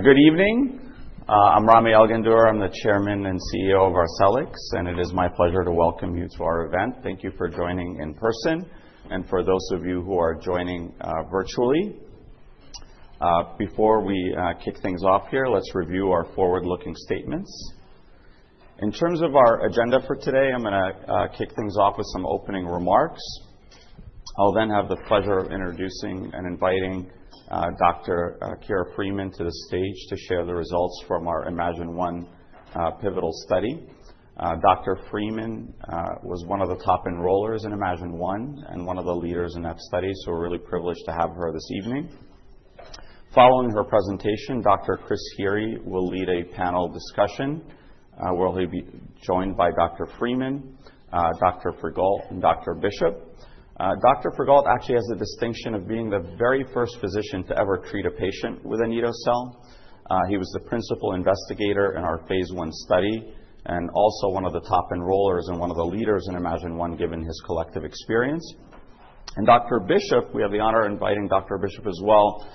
Good evening. I'm Rami Elghandour. I'm the Chairman and CEO of Arcellx, and it is my pleasure to welcome you to our event. Thank you for joining in person, and for those of you who are joining virtually. Before we kick things off here, let's review our forward-looking statements. In terms of our agenda for today, I'm going to kick things off with some opening remarks. I'll then have the pleasure of introducing and inviting Dr. Ciara Freeman to the stage to share the results from our iMMagine-1 pivotal study. Dr. Freeman was one of the top enrollers in iMMagine-1 and one of the leaders in that study, so we're really privileged to have her this evening. Following her presentation, Dr. Chris Heery will lead a panel discussion where he'll be joined by Dr. Freeman, Dr. Frigault, and Dr. Bishop. Dr. Frigault actually has the distinction of being the very first physician to ever treat a patient with anito-cel. He was the principal investigator in our phase I study and also one of the top enrollers and one of the leaders in iMMagine-1, given his collective experience. Dr. Bishop, we have the honor of inviting Dr. Bishop as well.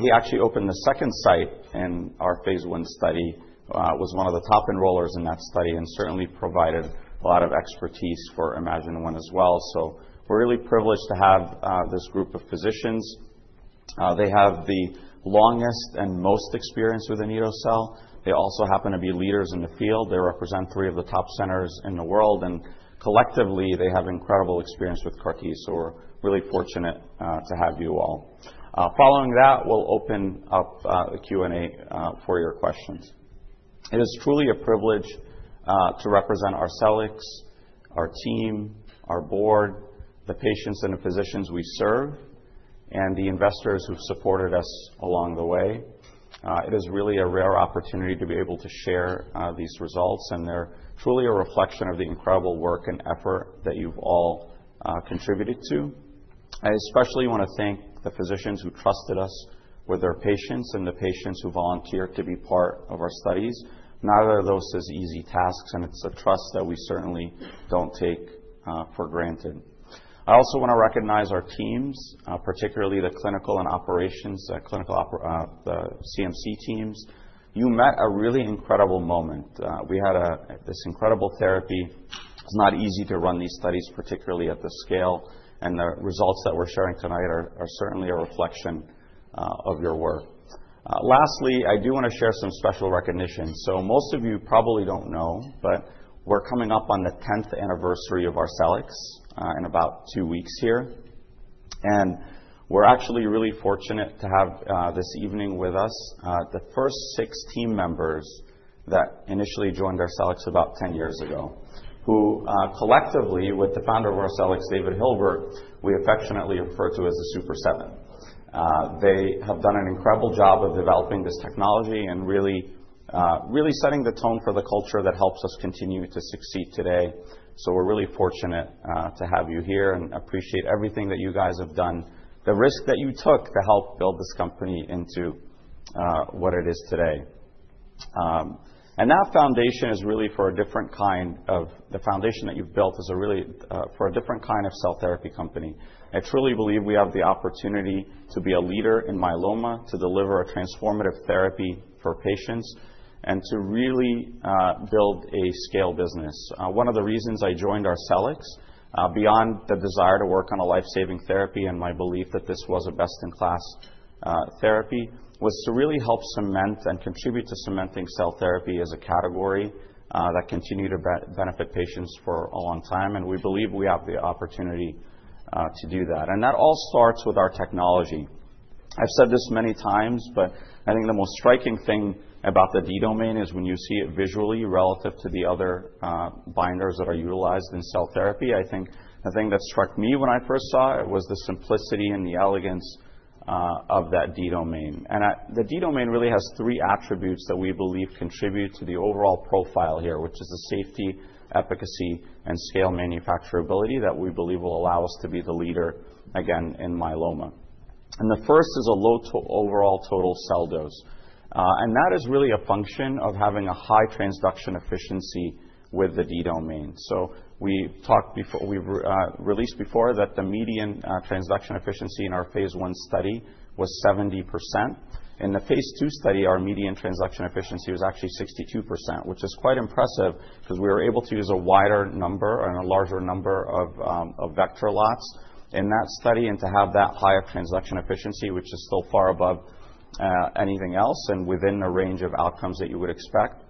He actually opened the second site in our phase I study, was one of the top enrollers in that study, and certainly provided a lot of expertise for iMMagine-1 as well. We're really privileged to have this group of physicians. They have the longest and most experience with anito-cel. They also happen to be leaders in the field. They represent three of the top centers in the world, and collectively, they have incredible experience with CAR-T, so we're really fortunate to have you all. Following that, we'll open up the Q&A for your questions. It is truly a privilege to represent Arcellx, our team, our board, the patients and the physicians we serve, and the investors who've supported us along the way. It is really a rare opportunity to be able to share these results, and they're truly a reflection of the incredible work and effort that you've all contributed to. I especially want to thank the physicians who trusted us with their patients and the patients who volunteered to be part of our studies. Neither of those is easy tasks, and it's a trust that we certainly don't take for granted. I also want to recognize our teams, particularly the clinical and operations, the CMC teams. You met a really incredible moment. We had this incredible therapy. It's not easy to run these studies, particularly at the scale, and the results that we're sharing tonight are certainly a reflection of your work. Lastly, I do want to share some special recognition. So most of you probably don't know, but we're coming up on the 10th anniversary of Arcellx in about two weeks here, and we're actually really fortunate to have this evening with us the first six team members that initially joined Arcellx about 10 years ago, who collectively, with the founder of Arcellx, David Hilbert, we affectionately refer to as the Super Seven. They have done an incredible job of developing this technology and really setting the tone for the culture that helps us continue to succeed today. We're really fortunate to have you here and appreciate everything that you guys have done, the risk that you took to help build this company into what it is today. That foundation that you've built is really for a different kind of cell therapy company. I truly believe we have the opportunity to be a leader in myeloma, to deliver a transformative therapy for patients, and to really build a scale business. One of the reasons I joined Arcellx, beyond the desire to work on a lifesaving therapy and my belief that this was a best-in-class therapy, was to really help cement and contribute to cementing cell therapy as a category that continued to benefit patients for a long time, and we believe we have the opportunity to do that. That all starts with our technology. I've said this many times, but I think the most striking thing about the D-Domain is when you see it visually relative to the other binders that are utilized in cell therapy. I think the thing that struck me when I first saw it was the simplicity and the elegance of that D-Domain. The D-Domain really has three attributes that we believe contribute to the overall profile here, which is the safety, efficacy, and scale manufacturability that we believe will allow us to be the leader again in myeloma. The first is a low overall total cell dose, and that is really a function of having a high transduction efficiency with the D-Domain. We've talked before we've released before that the median transduction efficiency in our phase I study was 70%. In the phase II study, our median transduction efficiency was actually 62%, which is quite impressive because we were able to use a wider number and a larger number of vector lots in that study, and to have that high of transduction efficiency, which is still far above anything else and within the range of outcomes that you would expect,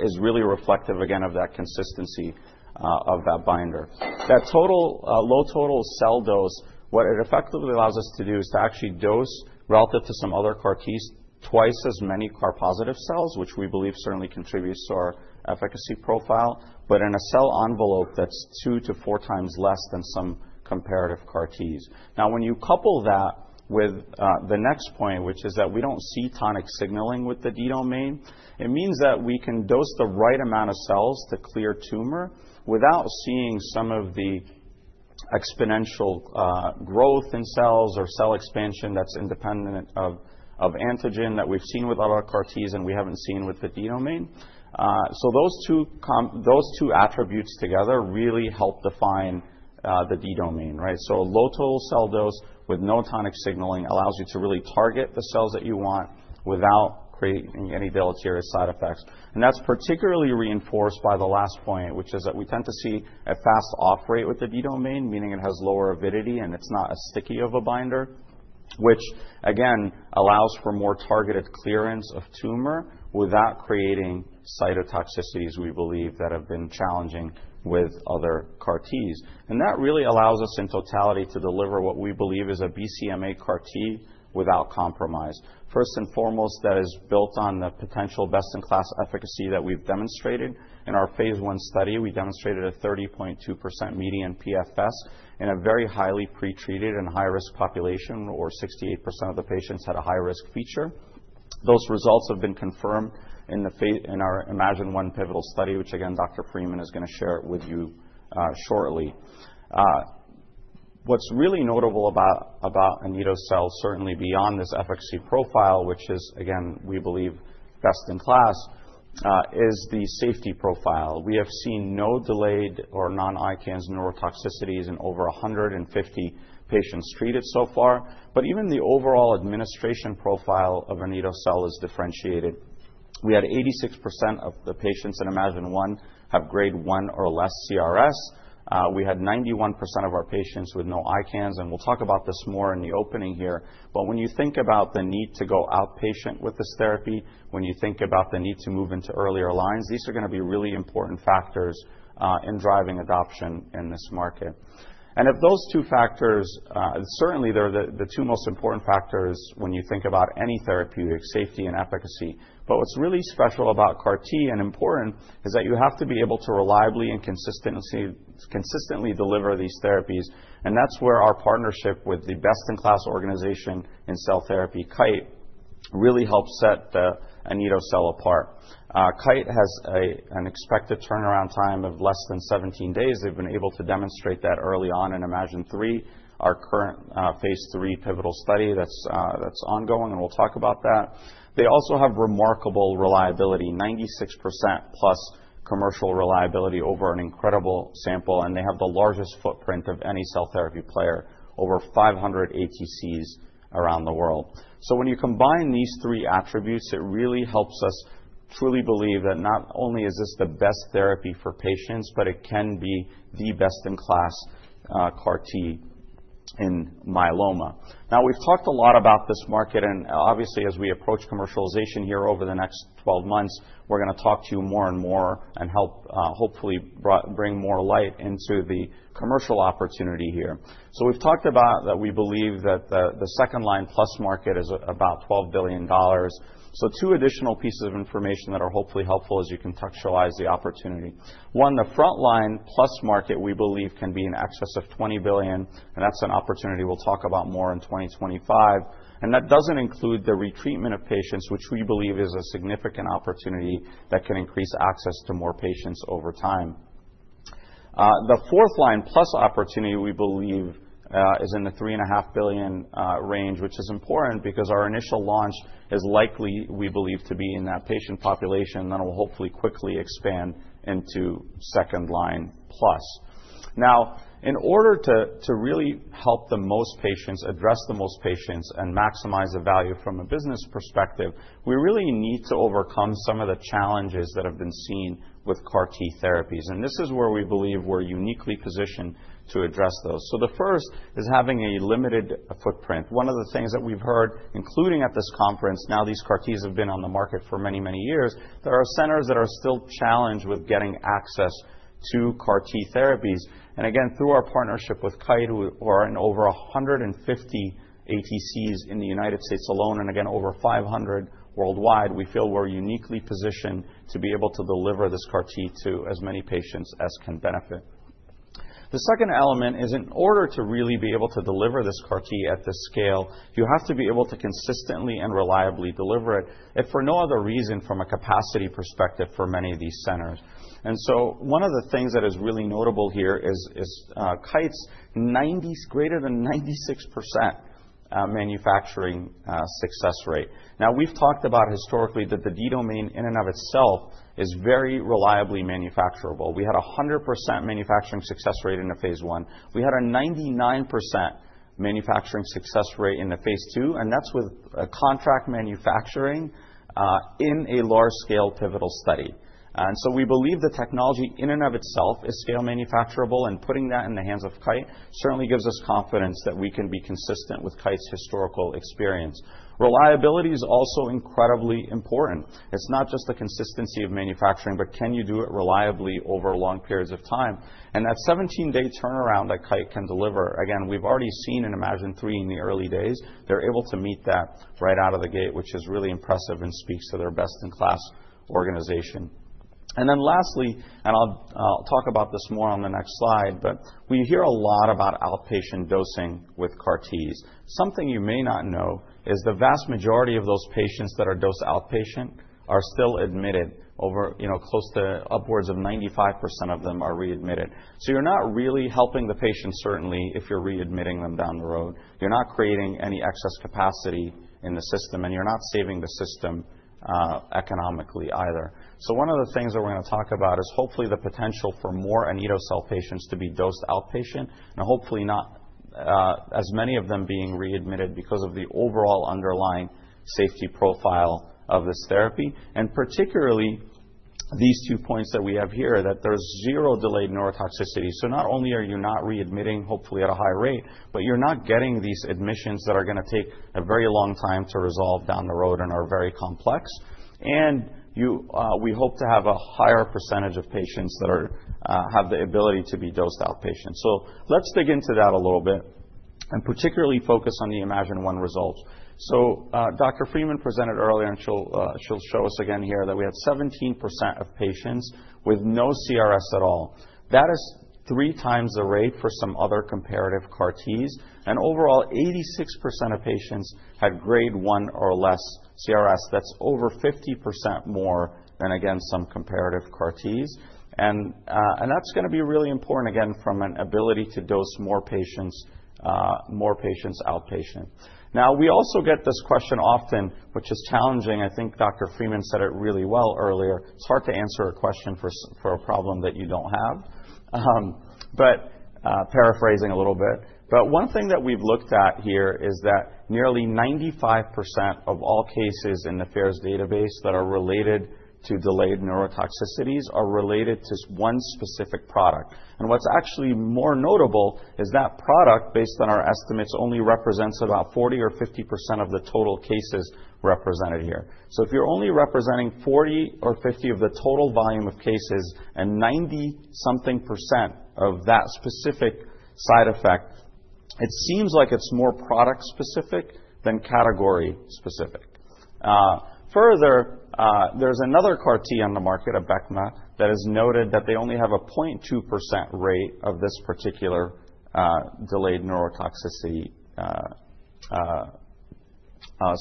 is really reflective again of that consistency of that binder. That low total cell dose, what it effectively allows us to do is to actually dose relative to some other CAR-Ts, twice as many CAR-positive cells, which we believe certainly contributes to our efficacy profile, but in a cell envelope that's two to four times less than some comparative CAR-Ts. Now, when you couple that with the next point, which is that we don't see tonic signaling with the D-Domain, it means that we can dose the right amount of cells to clear tumor without seeing some of the exponential growth in cells or cell expansion that's independent of antigen that we've seen with other CAR-Ts and we haven't seen with the D-Domain. So those two attributes together really help define the D-Domain, right? So a low total cell dose with no tonic signaling allows you to really target the cells that you want without creating any deleterious side effects. That's particularly reinforced by the last point, which is that we tend to see a fast off-rate with the D-Domain, meaning it has lower avidity and it's not as sticky of a binder, which again allows for more targeted clearance of tumor without creating cytotoxicities we believe that have been challenging with other CAR-Ts. That really allows us in totality to deliver what we believe is a BCMA CAR-T without compromise. First and foremost, that is built on the potential best-in-class efficacy that we've demonstrated. In our phase I study, we demonstrated a 30.2% median PFS in a very highly pretreated and high-risk population, where 68% of the patients had a high-risk feature. Those results have been confirmed in our iMMagine-1 pivotal study, which again, Dr. Freeman is going to share with you shortly. What's really notable about anito-cel, certainly beyond this efficacy profile, which is again, we believe, best in class, is the safety profile. We have seen no delayed or non-ICANS neurotoxicities in over 150 patients treated so far, but even the overall administration profile of anito-cel is differentiated. We had 86% of the patients in iMMagine-1 have grade 1 or less CRS. We had 91% of our patients with no ICANS, and we'll talk about this more in the opening here, but when you think about the need to go outpatient with this therapy, when you think about the need to move into earlier lines, these are going to be really important factors in driving adoption in this market. And of those two factors, certainly they're the two most important factors when you think about any therapeutic safety and efficacy, but what's really special about CAR-T and important is that you have to be able to reliably and consistently deliver these therapies, and that's where our partnership with the best-in-class organization in cell therapy, Kite, really helped set anito-cel apart. Kite has an expected turnaround time of less than 17 days. They've been able to demonstrate that early on in iMMagine-3, our current phase III pivotal study that's ongoing, and we'll talk about that. They also have remarkable reliability, 96% plus commercial reliability over an incredible sample, and they have the largest footprint of any cell therapy player, over 500 ATCs around the world. So when you combine these three attributes, it really helps us truly believe that not only is this the best therapy for patients, but it can be the best-in-class CAR-T in myeloma. Now, we've talked a lot about this market, and obviously as we approach commercialization here over the next 12 months, we're going to talk to you more and more and help hopefully bring more light into the commercial opportunity here. So we've talked about that we believe that the second line plus market is about $12 billion. So two additional pieces of information that are hopefully helpful as you contextualize the opportunity. One, the front line plus market we believe can be in excess of $20 billion, and that's an opportunity we'll talk about more in 2025, and that doesn't include the retreatment of patients, which we believe is a significant opportunity that can increase access to more patients over time. The fourth line plus opportunity we believe is in the $3.5 billion range, which is important because our initial launch is likely we believe to be in that patient population, and then it will hopefully quickly expand into second line plus. Now, in order to really help the most patients, address the most patients, and maximize the value from a business perspective, we really need to overcome some of the challenges that have been seen with CAR-T therapies, and this is where we believe we're uniquely positioned to address those. So the first is having a limited footprint. One of the things that we've heard, including at this conference, now these CAR-Ts have been on the market for many, many years. There are centers that are still challenged with getting access to CAR-T therapies, and again, through our partnership with Kite, who are in over 150 ATCs in the United States alone, and again, over 500 worldwide, we feel we're uniquely positioned to be able to deliver this CAR-T to as many patients as can benefit. The second element is in order to really be able to deliver this CAR-T at this scale, you have to be able to consistently and reliably deliver it, if for no other reason from a capacity perspective for many of these centers. And so one of the things that is really notable here is Kite's greater than 96% manufacturing success rate. Now, we've talked about historically that the D-Domain in and of itself is very reliably manufacturable. We had a 100% manufacturing success rate in the phase I. We had a 99% manufacturing success rate in the phase II, and that's with contract manufacturing in a large-scale pivotal study. And so we believe the technology in and of itself is scale manufacturable, and putting that in the hands of Kite certainly gives us confidence that we can be consistent with Kite's historical experience. Reliability is also incredibly important. It's not just the consistency of manufacturing, but can you do it reliably over long periods of time? And that 17-day turnaround that Kite can deliver, again, we've already seen in iMMagine-3 in the early days, they're able to meet that right out of the gate, which is really impressive and speaks to their best-in-class organization. And then lastly, and I'll talk about this more on the next slide, but we hear a lot about outpatient dosing with CAR-Ts. Something you may not know is the vast majority of those patients that are dosed outpatient are still admitted. Close to upwards of 95% of them are readmitted. So you're not really helping the patient certainly if you're readmitting them down the road. You're not creating any excess capacity in the system, and you're not saving the system economically either. So one of the things that we're going to talk about is hopefully the potential for more anito-cel patients to be dosed outpatient, and hopefully not as many of them being readmitted because of the overall underlying safety profile of this therapy, and particularly these two points that we have here that there's zero delayed neurotoxicity. So not only are you not readmitting hopefully at a high rate, but you're not getting these admissions that are going to take a very long time to resolve down the road and are very complex, and we hope to have a higher percentage of patients that have the ability to be dosed outpatient. So let's dig into that a little bit and particularly focus on the iMMagine-1 results. So Dr. Freeman presented earlier, and she'll show us again here that we had 17% of patients with no CRS at all. That is three times the rate for some other comparative CAR-Ts, and overall 86% of patients had grade 1 or less CRS. That's over 50% more than again some comparative CAR-Ts, and that's going to be really important again from an ability to dose more patients outpatient. Now, we also get this question often, which is challenging. I think Dr. Freeman said it really well earlier. It's hard to answer a question for a problem that you don't have, but paraphrasing a little bit, but one thing that we've looked at here is that nearly 95% of all cases in the FAERS database that are related to delayed neurotoxicities are related to one specific product. And what's actually more notable is that product, based on our estimates, only represents about 40 or 50% of the total cases represented here, so if you're only representing 40 or 50 of the total volume of cases and 90-something % of that specific side effect, it seems like it's more product-specific than category-specific. Further, there's another CAR-T on the market, Abecma, that is noted that they only have a 0.2% rate of this particular delayed neurotoxicity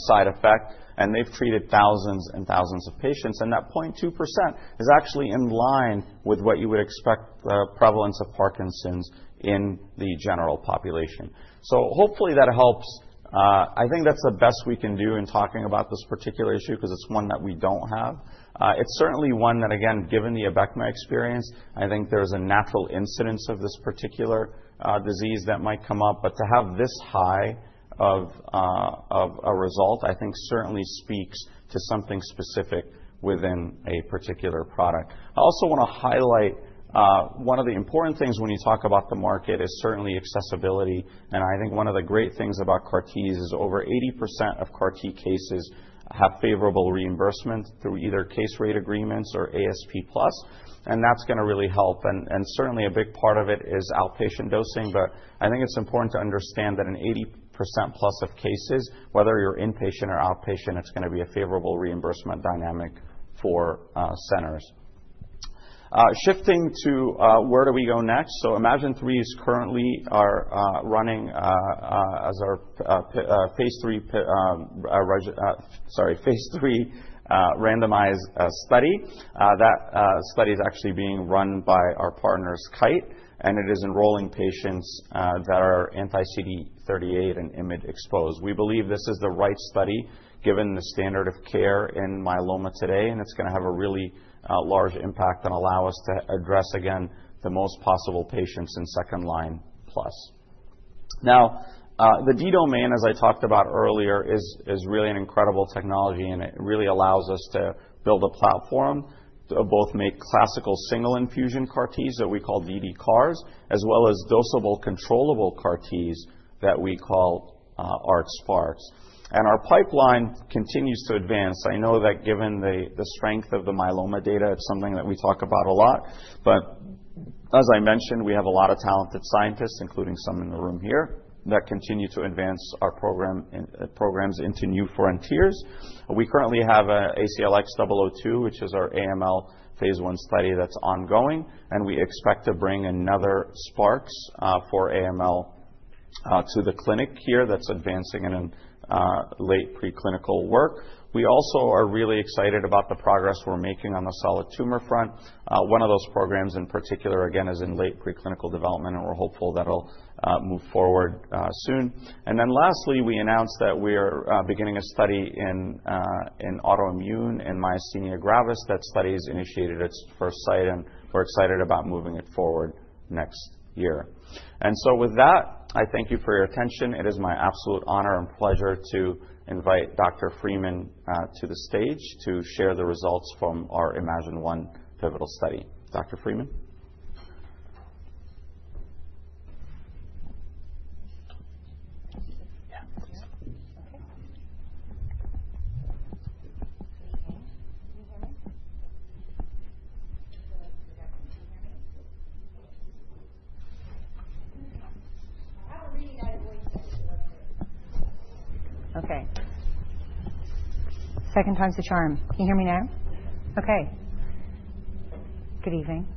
side effect, and they've treated thousands and thousands of patients, and that 0.2% is actually in line with what you would expect the prevalence of Parkinson's in the general population. So hopefully that helps. I think that's the best we can do in talking about this particular issue because it's one that we don't have. It's certainly one that, again, given the Abecma experience, I think there's a natural incidence of this particular disease that might come up, but to have this high of a result, I think certainly speaks to something specific within a particular product. I also want to highlight one of the important things when you talk about the market is certainly accessibility, and I think one of the great things about CAR-Ts is over 80% of CAR-T cases have favorable reimbursement through either case rate agreements or ASP plus, and that's going to really help, and certainly a big part of it is outpatient dosing, but I think it's important to understand that in 80% plus of cases, whether you're inpatient or outpatient, it's going to be a favorable reimbursement dynamic for centers. Shifting to where do we go next? So iMMagine-3 is currently running as our phase III randomized study. That study is actually being run by our partners, Kite, and it is enrolling patients that are anti-CD38 and immuno-exposed. We believe this is the right study given the standard of care in myeloma today, and it's going to have a really large impact and allow us to address, again, the most possible patients in second line plus. Now, the D-Domain, as I talked about earlier, is really an incredible technology, and it really allows us to build a platform to both make classical single-infusion CAR-Ts that we call ddCARs, as well as dosable controllable CAR-Ts that we call ARC-SparX. And our pipeline continues to advance. I know that given the strength of the myeloma data, it's something that we talk about a lot, but as I mentioned, we have a lot of talented scientists, including some in the room here, that continue to advance our programs into new frontiers. We currently have ACLX-002, which is our AML phase I study that's ongoing, and we expect to bring another SparX for AML to the clinic here that's advancing in late preclinical work. We also are really excited about the progress we're making on the solid tumor front. One of those programs in particular, again, is in late preclinical development, and we're hopeful that'll move forward soon. And then lastly, we announced that we are beginning a study in autoimmune in myasthenia gravis. That study is initiated at its first site, and we're excited about moving it forward next year. And so with that, I thank you for your attention. It is my absolute honor and pleasure to invite Dr. Freeman to the stage to share the results from our iMMagine-1 pivotal study. Dr. Freeman? Yeah, please. Okay. Can you hear me? How are you guys doing today? Okay. Second time's the charm. Can you hear me now? Okay. Good evening.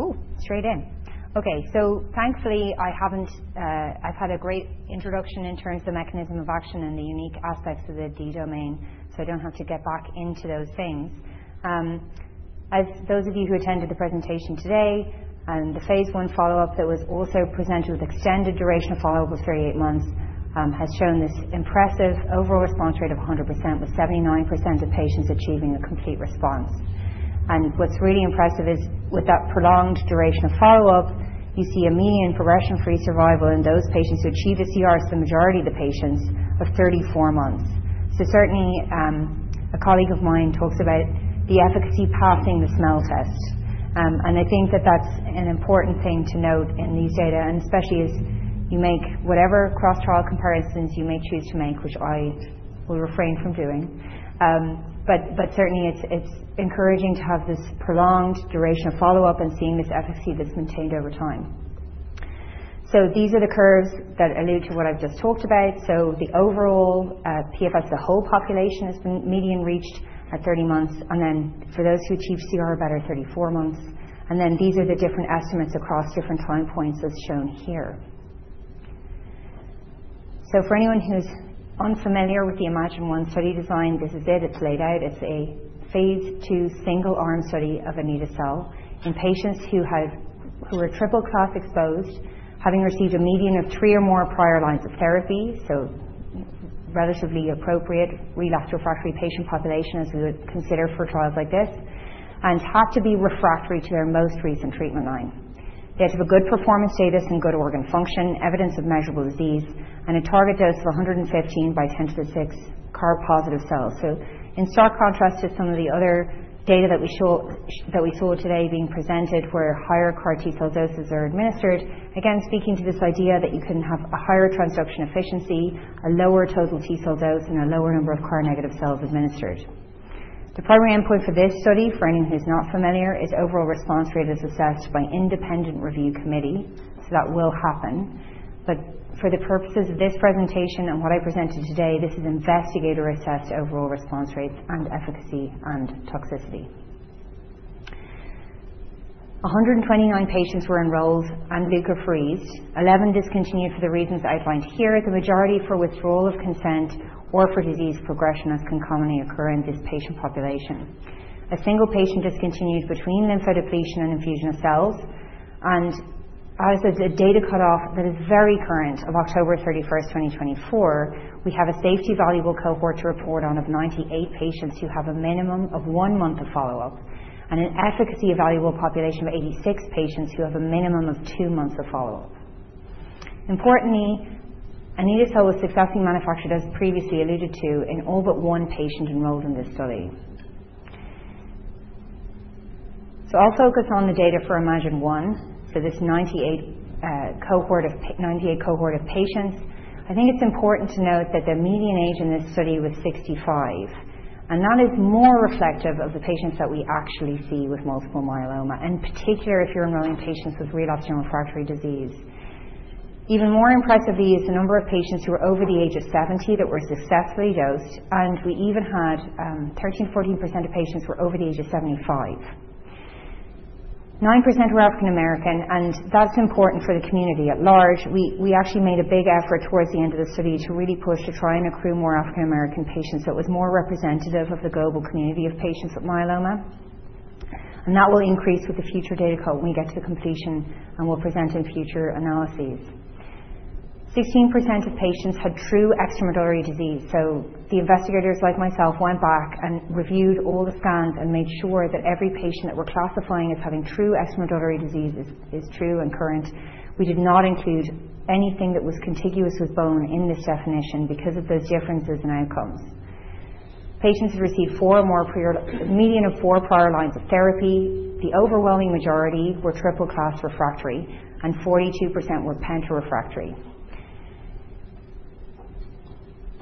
Ooh, straight in. Okay, so thankfully I've had a great introduction in terms of the mechanism of action and the unique aspects of the D-Domain, so I don't have to get back into those things. As those of you who attended the presentation today, the phase I follow-up that was also presented with extended duration of follow-up of 38 months has shown this impressive overall response rate of 100%, with 79% of patients achieving a complete response. And what's really impressive is with that prolonged duration of follow-up, you see a median progression-free survival in those patients who achieve a CRS, the majority of the patients, of 34 months. Certainly, a colleague of mine talks about the efficacy passing the smell test, and I think that that's an important thing to note in these data, and especially as you make whatever cross-trial comparisons you may choose to make, which I will refrain from doing, but certainly it's encouraging to have this prolonged duration of follow-up and seeing this efficacy that's maintained over time. These are the curves that allude to what I've just talked about. The overall PFS of the whole population has been median reached at 30 months, and then for those who achieve CR better, 34 months, and then these are the different estimates across different time points as shown here. For anyone who's unfamiliar with the iMMagine-1 study design, this is it. It's laid out. It's a phase II single-arm study of anito-cel in patients who are triple-class exposed, having received a median of three or more prior lines of therapy, so relatively appropriate relapsed refractory patient population as we would consider for trials like this, and had to be refractory to their most recent treatment line. They had to have a good performance status and good organ function, evidence of measurable disease, and a target dose of 115 by 10 to the 6 CAR-positive cells. So in stark contrast to some of the other data that we saw today being presented, where higher CAR-T cell doses are administered, again, speaking to this idea that you can have a higher transduction efficiency, a lower total T cell dose, and a lower number of CAR-negative cells administered. The primary endpoint for this study, for anyone who's not familiar, is overall response rate assessed by an independent review committee, so that will happen, but for the purposes of this presentation and what I presented today, this is investigator-assessed overall response rates and efficacy and toxicity. 129 patients were enrolled and leukapheresed. 11 discontinued for the reasons outlined here, the majority for withdrawal of consent or for disease progression, as can commonly occur in this patient population. A single patient discontinued between lymphodepletion and infusion of cells, and as a data cutoff that is very current of October 31st, 2024, we have a safety-evaluable cohort to report on of 98 patients who have a minimum of one month of follow-up and an efficacy-evaluable population of 86 patients who have a minimum of two months of follow-up. Importantly, anito-cel was successfully manufactured, as previously alluded to, in all but one patient enrolled in this study, so I'll focus on the data for iMMagine-1, so this 98 cohort of patients, I think it's important to note that the median age in this study was 65, and that is more reflective of the patients that we actually see with multiple myeloma, in particular if you're enrolling patients with relapsed or refractory disease. Even more impressively is the number of patients who were over the age of 70 that were successfully dosed, and we even had 13%-14% of patients who were over the age of 75. 9% were African American, and that's important for the community at large. We actually made a big effort towards the end of the study to really push to try and accrue more African American patients so it was more representative of the global community of patients with myeloma, and that will increase with the future data when we get to the completion and will present in future analyses. 16% of patients had true extramedullary disease, so the investigators, like myself, went back and reviewed all the scans and made sure that every patient that we're classifying as having true extramedullary disease is true and confirmed. We did not include anything that was contiguous with bone in this definition because of those differences in outcomes. Patients received a median of four prior lines of therapy, the overwhelming majority were triple-class refractory, and 42% were penta-refractory.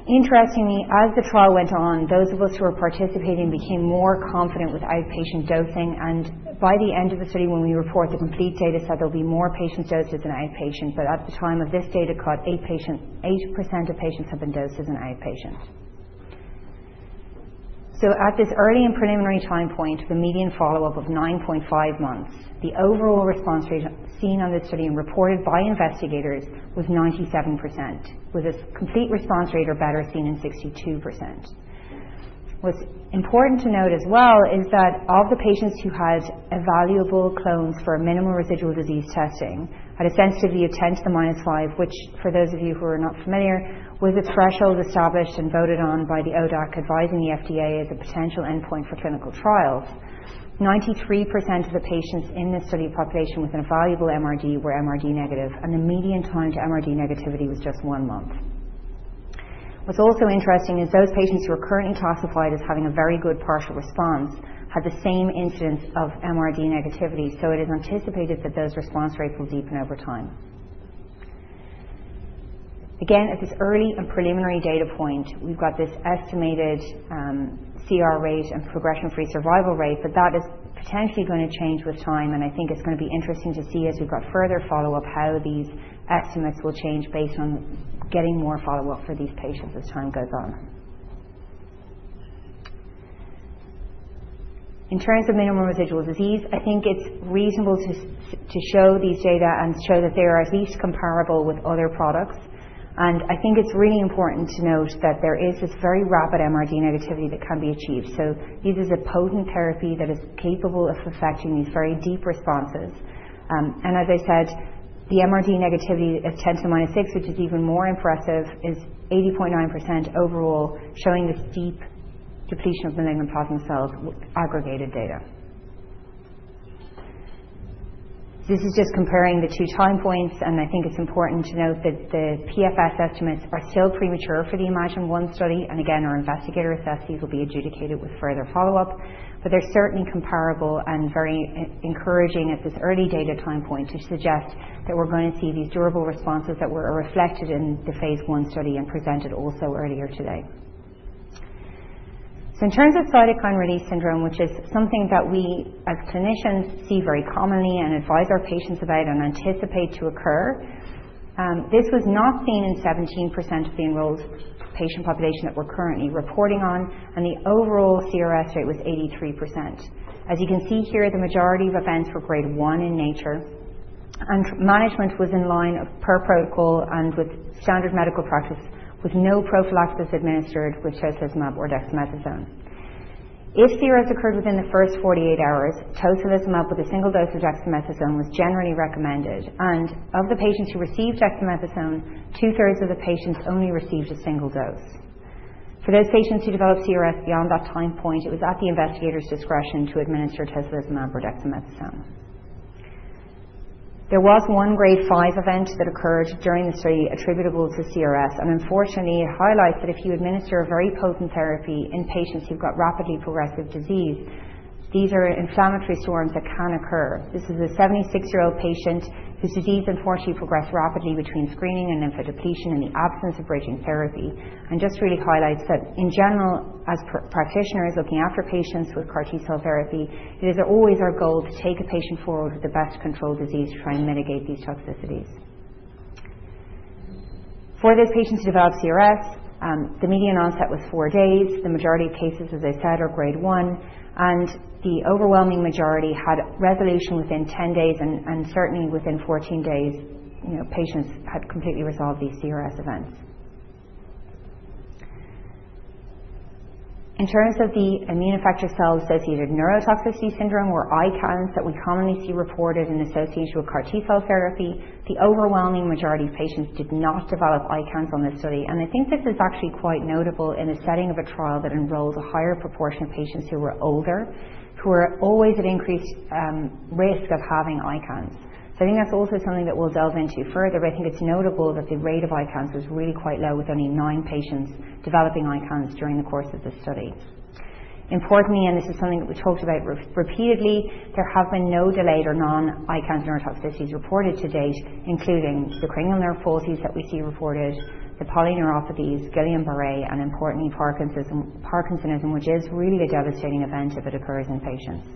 Interestingly, as the trial went on, those of us who were participating became more confident with outpatient dosing, and by the end of the study, when we report the complete data, said there'll be more patients dosed as an outpatient, but at the time of this data cut, 8% of patients have been dosed as an outpatient. So at this early and preliminary time point, the median follow-up of 9.5 months, the overall response rate seen on this study and reported by investigators was 97%, with a complete response rate or better seen in 62%. What's important to note as well is that of the patients who had evaluable clones for minimal residual disease testing, at a sensitivity of 10 to the minus 5, which for those of you who are not familiar, was a threshold established and voted on by the ODAC advising the FDA as a potential endpoint for clinical trials, 93% of the patients in this study population with an evaluable MRD were MRD negative, and the median time to MRD negativity was just one month. What's also interesting is those patients who are currently classified as having a very good partial response had the same incidence of MRD negativity, so it is anticipated that those response rates will deepen over time. Again, at this early and preliminary data point, we've got this estimated CR rate and progression-free survival rate, but that is potentially going to change with time, and I think it's going to be interesting to see as we've got further follow-up how these estimates will change based on getting more follow-up for these patients as time goes on. In terms of minimal residual disease, I think it's reasonable to show these data and show that they are at least comparable with other products, and I think it's really important to note that there is this very rapid MRD negativity that can be achieved, so this is a potent therapy that is capable of affecting these very deep responses, and as I said, the MRD negativity of 10 to the minus 6, which is even more impressive, is 80.9% overall, showing this deep depletion of malignant plasma cells with aggregated data. This is just comparing the two time points, and I think it's important to note that the PFS estimates are still premature for the iMMagine-1 study, and again, our investigator assessed these will be adjudicated with further follow-up, but they're certainly comparable and very encouraging at this early data time point to suggest that we're going to see these durable responses that were reflected in the phase I study and presented also earlier today. So in terms of cytokine release syndrome, which is something that we as clinicians see very commonly and advise our patients about and anticipate to occur, this was not seen in 17% of the enrolled patient population that we're currently reporting on, and the overall CRS rate was 83%. As you can see here, the majority of events were grade 1 in nature, and management was in line with per protocol and with standard medical practice with no prophylaxis administered with tocilizumab or dexamethasone. If CRS occurred within the first 48 hours, tocilizumab with a single dose of dexamethasone was generally recommended, and of the patients who received dexamethasone, two-thirds of the patients only received a single dose. For those patients who developed CRS beyond that time point, it was at the investigator's discretion to administer tocilizumab or dexamethasone. There was one grade 5 event that occurred during the study attributable to CRS, and unfortunately, it highlights that if you administer a very potent therapy in patients who've got rapidly progressive disease, these are inflammatory storms that can occur. This is a 76-year-old patient whose disease unfortunately progressed rapidly between screening and lymphodepletion in the absence of bridging therapy, and just really highlights that in general, as practitioners looking after patients with CAR-T cell therapy, it is always our goal to take a patient forward with the best controlled disease to try and mitigate these toxicities. For those patients who developed CRS, the median onset was four days. The majority of cases, as I said, are grade 1, and the overwhelming majority had resolution within 10 days, and certainly within 14 days, patients had completely resolved these CRS events. In terms of the immune effector cell-associated neurotoxicity syndrome, where ICANS that we commonly see reported in association with CAR-T cell therapy, the overwhelming majority of patients did not develop ICANS on this study, and I think this is actually quite notable in the setting of a trial that enrolled a higher proportion of patients who were older, who were always at increased risk of having ICANS. So I think that's also something that we'll delve into further, but I think it's notable that the rate of ICANS was really quite low, with only nine patients developing ICANS during the course of this study. Importantly, and this is something that we talked about repeatedly, there have been no delayed or non-ICANS neurotoxicities reported to date, including the cranial nerve palsies that we see reported, the polyneuropathies, Guillain-Barré, and importantly, Parkinsonism, which is really a devastating event if it occurs in patients.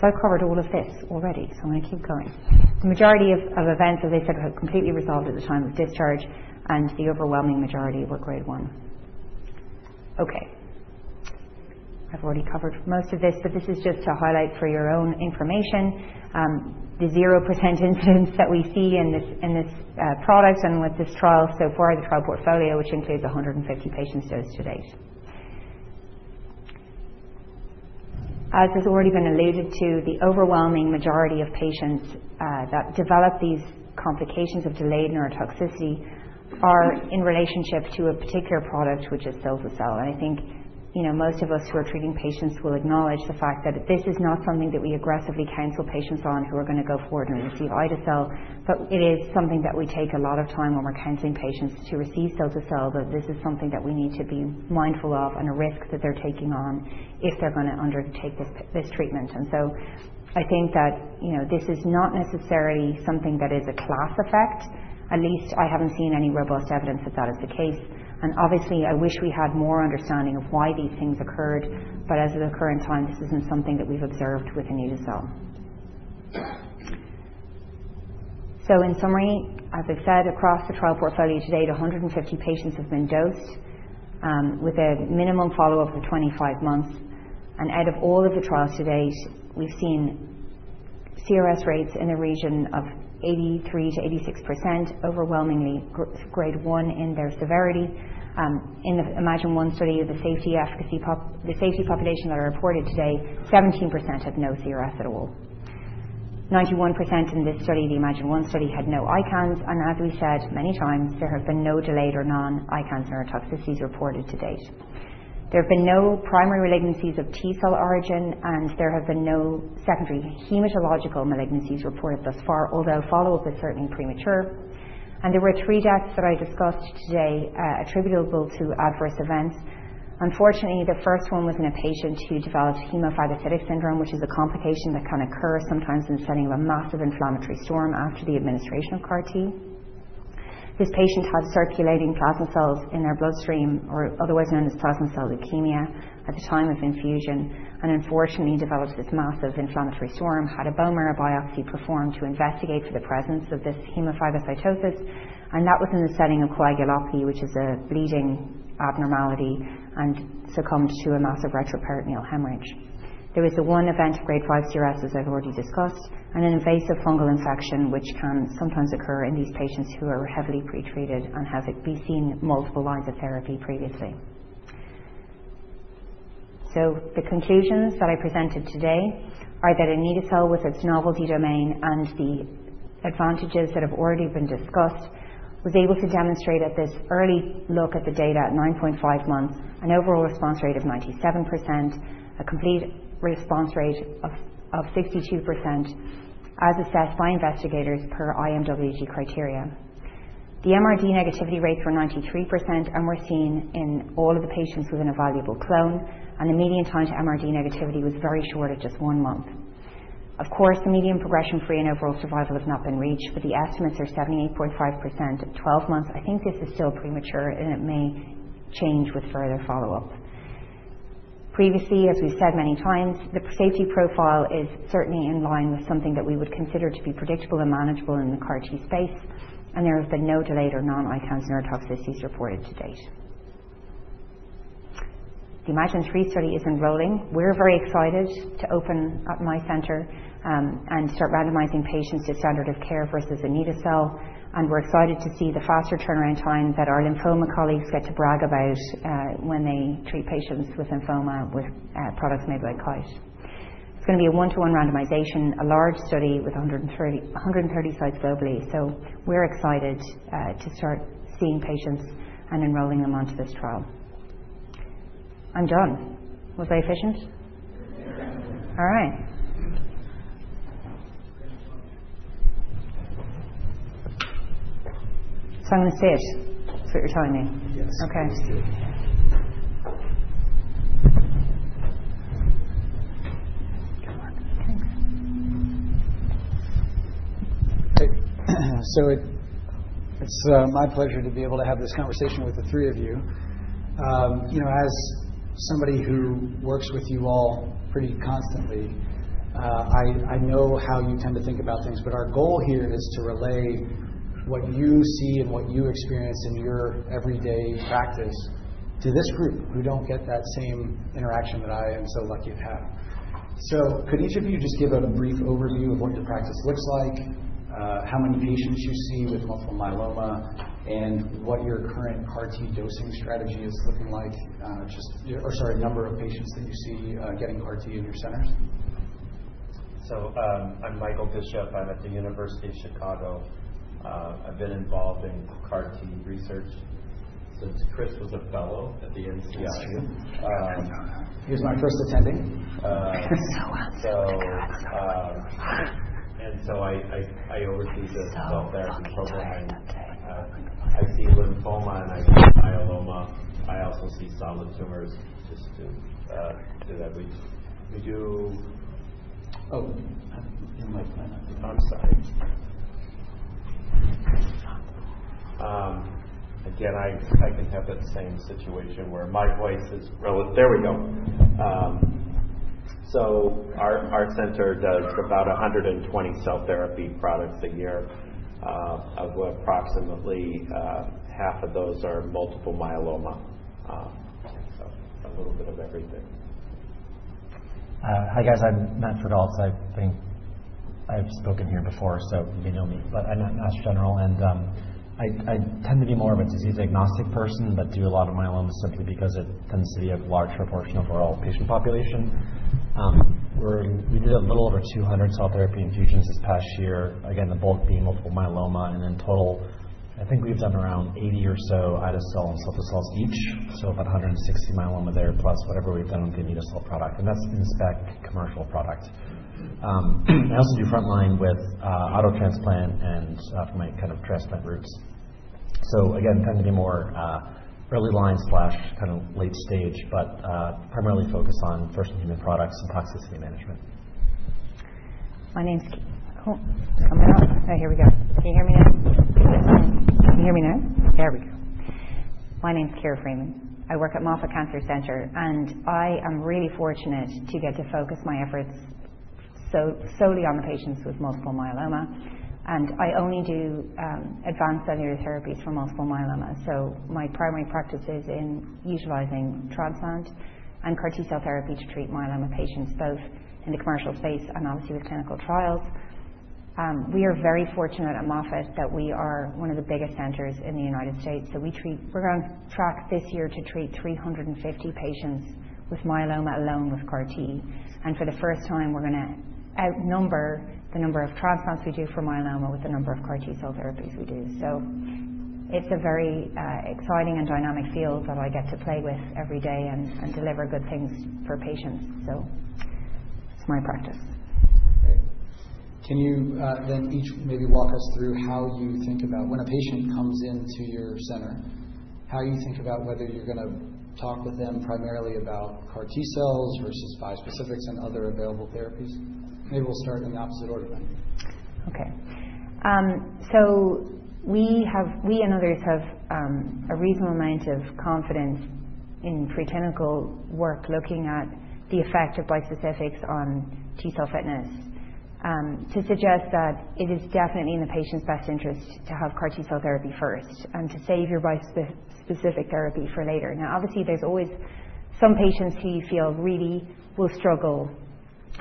So I've covered all of this already, so I'm going to keep going. The majority of events, as I said, were completely resolved at the time of discharge, and the overwhelming majority were grade one. Okay. I've already covered most of this, but this is just to highlight for your own information, the 0% incidence that we see in this product and with this trial so far, the trial portfolio, which includes 150 patients dosed to date. As has already been alluded to, the overwhelming majority of patients that develop these complications of delayed neurotoxicity are in relationship to a particular product, which is Carvykti, and I think most of us who are treating patients will acknowledge the fact that this is not something that we aggressively counsel patients on who are going to go forward and receive ide-cel, but it is something that we take a lot of time when we're counseling patients to receive Carvykti, that this is something that we need to be mindful of and a risk that they're taking on if they're going to undertake this treatment, and so I think that this is not necessarily something that is a class effect. At least I haven't seen any robust evidence that that is the case, and obviously, I wish we had more understanding of why these things occurred, but as of the current time, this isn't something that we've observed with anito-cel. So in summary, as I've said, across the trial portfolio to date, 150 patients have been dosed with a minimum follow-up of 25 months, and out of all of the trials to date, we've seen CRS rates in the region of 83%-86%, overwhelmingly grade 1 in their severity. In the iMMagine-1 study, the safety population that I reported today, 17% had no CRS at all. 91% in this study, the iMMagine-1 study, had no ICANS, and as we said many times, there have been no delayed or non-ICANS neurotoxicities reported to date. There have been no primary malignancies of T-cell origin, and there have been no secondary hematological malignancies reported thus far, although follow-up is certainly premature, and there were three deaths that I discussed today attributable to adverse events. Unfortunately, the first one was in a patient who developed hemophagocytic syndrome, which is a complication that can occur sometimes in the setting of a massive inflammatory storm after the administration of CAR-T. This patient had circulating plasma cells in their bloodstream, or otherwise known as plasma cell leukemia, at the time of infusion, and unfortunately developed this massive inflammatory storm, had a bone marrow biopsy performed to investigate for the presence of this hemophagocytosis, and that was in the setting of coagulopathy, which is a bleeding abnormality and succumbed to a massive retroperitoneal hemorrhage. There was the one event of grade 5 CRS, as I've already discussed, and an invasive fungal infection, which can sometimes occur in these patients who are heavily pretreated and have been seeing multiple lines of therapy previously. So the conclusions that I presented today are that anito-cel with its D-Domain and the advantages that have already been discussed was able to demonstrate at this early look at the data at 9.5 months an overall response rate of 97%, a complete response rate of 62%, as assessed by investigators per IMWG criteria. The MRD negativity rates were 93%, and were seen in all of the patients with an evaluable clone, and the median time to MRD negativity was very short at just one month. Of course, the median progression-free and overall survival has not been reached, but the estimates are 78.5% at 12 months. I think this is still premature, and it may change with further follow-up. Previously, as we've said many times, the safety profile is certainly in line with something that we would consider to be predictable and manageable in the CAR-T space, and there have been no delayed or non-ICANS neurotoxicities reported to date. The iMMagine-3 study is enrolling. We're very excited to open up my center and start randomizing patients to standard of care versus anito-cel, and we're excited to see the faster turnaround time that our lymphoma colleagues get to brag about when they treat patients with lymphoma with products made by Kite. It's going to be a one-to-one randomization, a large study with 130 sites globally, so we're excited to start seeing patients and enrolling them onto this trial. I'm done. Was I efficient? Yes. All right, so I'm going to sit. Is that what you're telling me? Yes. Okay. It's my pleasure to be able to have this conversation with the three of you. As somebody who works with you all pretty constantly, I know how you tend to think about things, but our goal here is to relay what you see and what you experience in your everyday practice to this group who don't get that same interaction that I am so lucky to have. Could each of you just give a brief overview of what your practice looks like, how many patients you see with multiple myeloma, and what your current CAR-T dosing strategy is looking like, or sorry, number of patients that you see getting CAR-T in your centers? So I'm Michael Bishop. I'm at the University of Chicago. I've been involved in CAR-T research since Chris was a fellow at the NCI. He's my first attending. So awesome. I oversee the cell therapy program. I see lymphoma and I see myeloma. I also see solid tumors. So our center does about 120 cell therapy products a year, of which approximately half of those are multiple myeloma. So a little bit of everything. Hi guys. I'm Matt Frigault. I think I've spoken here before, so you may know me, but I'm Matt Frigault, and I tend to be more of a disease-agnostic person, but do a lot of myeloma simply because it tends to be a large proportion of our overall patient population. We did a little over 200 cell therapy infusions this past year, again, the bulk being multiple myeloma, and in total, I think we've done around 80 or so ide-cel and Carvykti each, so about 160 myeloma there plus whatever we've done with the anito-cel product, and that's in spec commercial product. I also do frontline with auto transplant and my kind of transplant routes. So again, tend to be more early line/kind of late stage, but primarily focused on first-in-human products and toxicity management. My name's coming up. Oh, here we go. Can you hear me now? There we go. My name's Ciara Freeman. I work at Moffitt Cancer Center, and I am really fortunate to get to focus my efforts solely on the patients with multiple myeloma, and I only do advanced cellular therapies for multiple myeloma. So my primary practice is in utilizing transplant and CAR-T cell therapy to treat myeloma patients, both in the commercial space and obviously with clinical trials. We are very fortunate at Moffitt that we are one of the biggest centers in the United States, so we're on track this year to treat 350 patients with myeloma alone with CAR-T, and for the first time, we're going to outnumber the number of transplants we do for myeloma with the number of CAR-T cell therapies we do. So it's a very exciting and dynamic field that I get to play with every day and deliver good things for patients. So that's my practice. Okay. Can you then each maybe walk us through how you think about when a patient comes into your center, how you think about whether you're going to talk with them primarily about CAR-T cells versus bispecifics and other available therapies? Maybe we'll start in the opposite order then. Okay. So we and others have a reasonable amount of confidence in preclinical work looking at the effect of bispecifics on T cell fitness to suggest that it is definitely in the patient's best interest to have CAR-T cell therapy first and to save your bispecific therapy for later. Now, obviously, there's always some patients who you feel really will struggle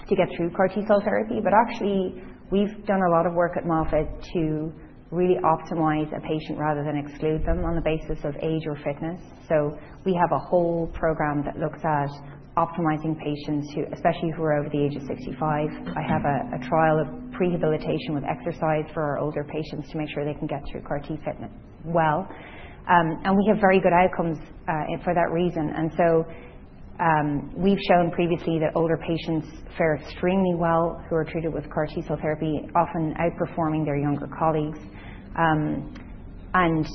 to get through CAR-T cell therapy, but actually, we've done a lot of work at Moffitt to really optimize a patient rather than exclude them on the basis of age or fitness. So we have a whole program that looks at optimizing patients, especially who are over the age of 65. I have a trial of prehabilitation with exercise for our older patients to make sure they can get through CAR-T fitness well, and we have very good outcomes for that reason. And so we've shown previously that older patients fare extremely well who are treated with CAR-T cell therapy, often outperforming their younger colleagues. And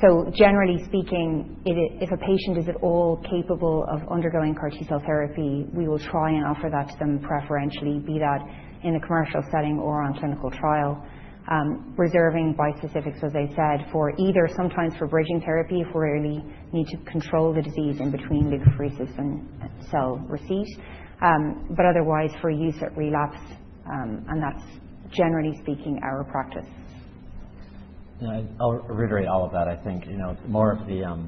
so generally speaking, if a patient is at all capable of undergoing CAR-T cell therapy, we will try and offer that to them preferentially, be that in a commercial setting or on clinical trial, reserving bispecifics, as I said, for either sometimes for bridging therapy if we really need to control the disease in between leukapheresis and cell receipt, but otherwise for use at relapse, and that's generally speaking our practice. Yeah. I'll reiterate all of that. I think more of the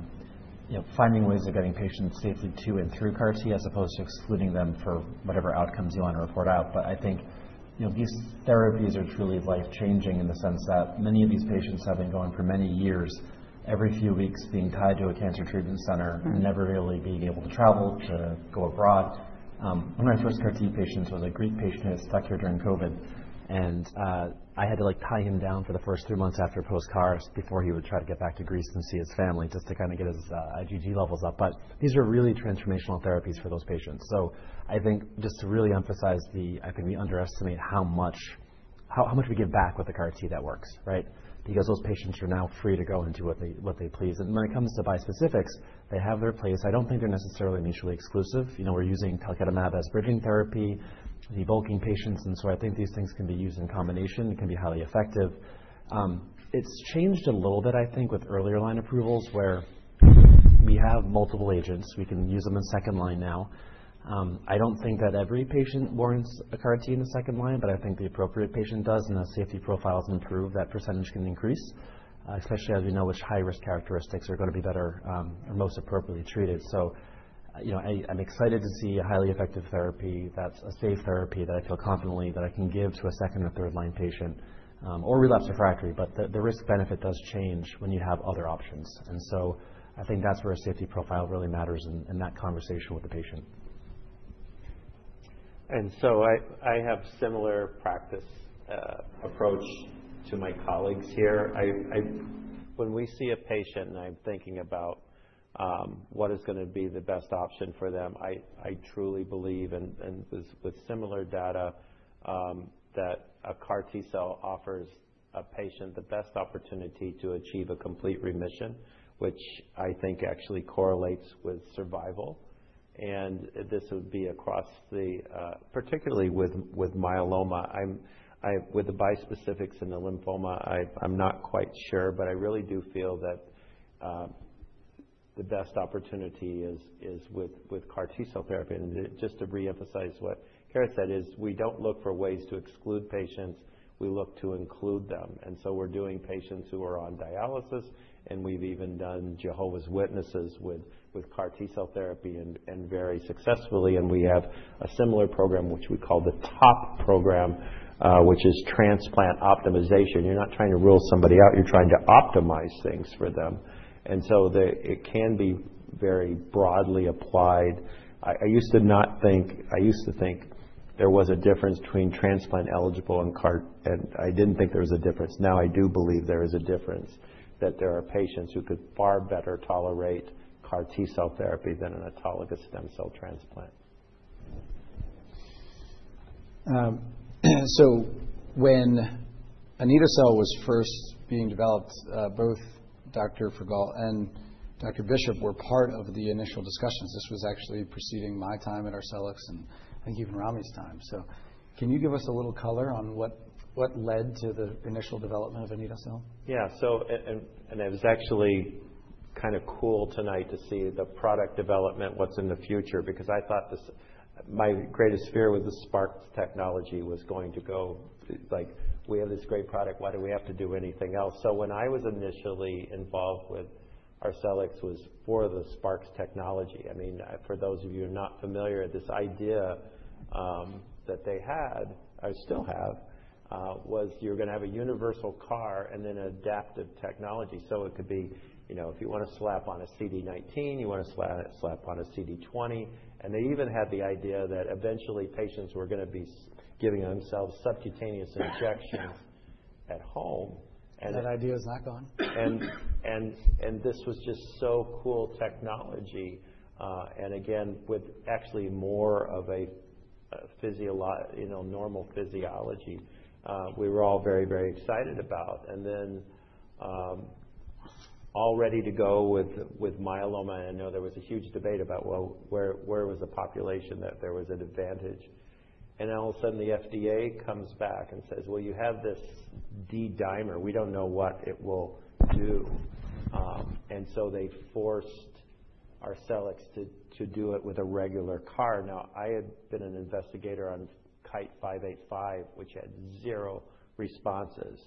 finding ways of getting patients safely to and through CAR-T as opposed to excluding them for whatever outcomes you want to report out, but I think these therapies are truly life-changing in the sense that many of these patients have been going for many years, every few weeks being tied to a cancer treatment center, never really being able to travel to go abroad. One of my first CAR-T patients was a Greek patient who had stuck here during COVID, and I had to tie him down for the first three months after post-CAR before he would try to get back to Greece and see his family just to kind of get his IgG levels up. But these are really transformational therapies for those patients. I think just to really emphasize, I think we underestimate how much we give back with the CAR-T that works, right, because those patients are now free to go and do what they please. And when it comes to bispecifics, they have their place. I don't think they're necessarily mutually exclusive. We're using teclistamab as bridging therapy with CAR-T patients, and so I think these things can be used in combination. It can be highly effective. It's changed a little bit, I think, with earlier line approvals where we have multiple agents. We can use them in second line now. I don't think that every patient warrants a CAR-T in the second line, but I think the appropriate patient does, and as safety profiles improve, that percentage can increase, especially as we know which high-risk characteristics are going to be better or most appropriately treated. I'm excited to see a highly effective therapy that's a safe therapy that I feel confidently that I can give to a second or third-line patient or relapse refractory, but the risk-benefit does change when you have other options. I think that's where a safety profile really matters in that conversation with the patient. I have a similar practice approach to my colleagues here. When we see a patient and I'm thinking about what is going to be the best option for them, I truly believe, and with similar data, that a CAR-T cell offers a patient the best opportunity to achieve a complete remission, which I think actually correlates with survival. This would be across the board, particularly with myeloma. With the bispecifics and the lymphoma, I'm not quite sure, but I really do feel that the best opportunity is with CAR-T cell therapy. Just to reemphasize what Ciara said is we don't look for ways to exclude patients. We look to include them. We're doing patients who are on dialysis, and we've even done Jehovah's Witnesses with CAR-T cell therapy and very successfully, and we have a similar program, which we call the TOP program, which is transplant optimization. You're not trying to rule somebody out. You're trying to optimize things for them. It can be very broadly applied. I used to not think there was a difference between transplant eligible and CAR-T, and I didn't think there was a difference. Now I do believe there is a difference that there are patients who could far better tolerate CAR-T cell therapy than an autologous stem cell transplant. When anito-cel was first being developed, both Dr. Frigault and Dr. Bishop was part of the initial discussions. This was actually preceding my time at Arcellx and I think even Rami's time. So can you give us a little color on what led to the initial development of anito-cel? Yeah. And it was actually kind of cool tonight to see the product development, what's in the future, because I thought my greatest fear with the SparX technology was going to go, "We have this great product. Why do we have to do anything else?" So when I was initially involved with Arcellx, it was for the SparX technology. I mean, for those of you who are not familiar, this idea that they had, I still have, was you're going to have a universal CAR and then an adaptive technology. So it could be if you want to slap on a CD19, you want to slap on a CD20. And they even had the idea that eventually patients were going to be giving themselves subcutaneous injections at home. And that idea is not gone. And this was just so cool technology. And again, with actually more of a normal physiology, we were all very, very excited about. And then all ready to go with myeloma, and I know there was a huge debate about, well, where was the population that there was an advantage? And all of a sudden, the FDA comes back and says, "Well, you have this D-Domain. We don't know what it will do." And so they forced Arcellx to do it with a regular CAR. Now, I had been an investigator on KITE-585, which had zero responses.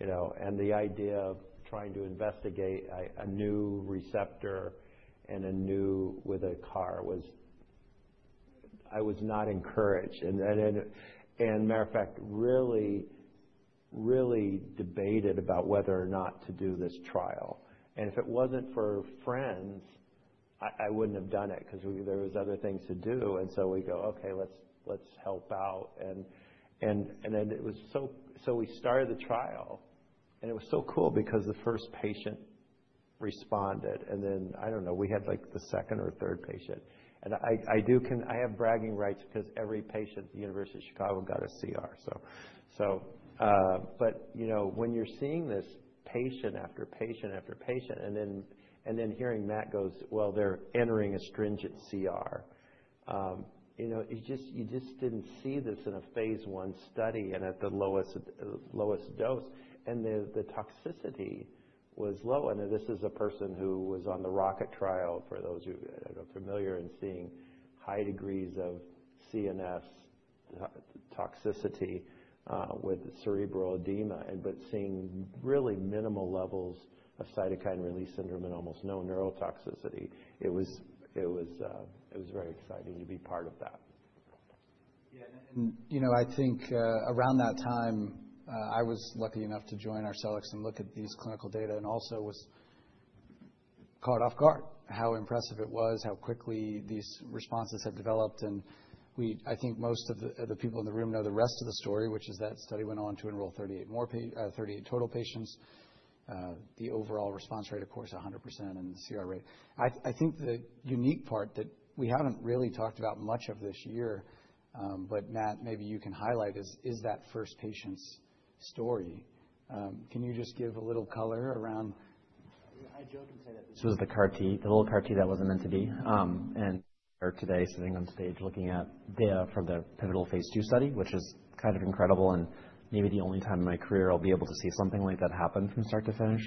And the idea of trying to investigate a new receptor and a new with a CAR was I was not encouraged. And as a matter of fact, really, really debated about whether or not to do this trial. And if it wasn't for friends, I wouldn't have done it because there were other things to do. And so we go, "Okay, let's help out." And then it was so we started the trial, and it was so cool because the first patient responded. And then I don't know, we had the second or third patient. And I have bragging rights because every patient at the University of Chicago got a CR, so. But when you're seeing this patient after patient after patient and then hearing Matt goes, "Well, they're entering a stringent CR," you just didn't see this in a phase I study and at the lowest dose, and the toxicity was low. And this is a person who was on the ROCKET trial, for those who are familiar in seeing high degrees of CNS toxicity with cerebral edema, but seeing really minimal levels of cytokine release syndrome and almost no neurotoxicity. It was very exciting to be part of that. Yeah. And I think around that time, I was lucky enough to join Arcellx and look at these clinical data and also was caught off guard how impressive it was, how quickly these responses had developed. And I think most of the people in the room know the rest of the story, which is that study went on to enroll 38 total patients, the overall response rate, of course, 100%, and the CR rate. I think the unique part that we haven't really talked about much of this year, but Matt, maybe you can highlight, is that first patient's story. Can you just give a little color around? I joke and say that this was the CAR-T, the little CAR-T that wasn't meant to be. And today, sitting on stage, looking at data from the pivotal phase II study, which is kind of incredible and maybe the only time in my career I'll be able to see something like that happen from start to finish.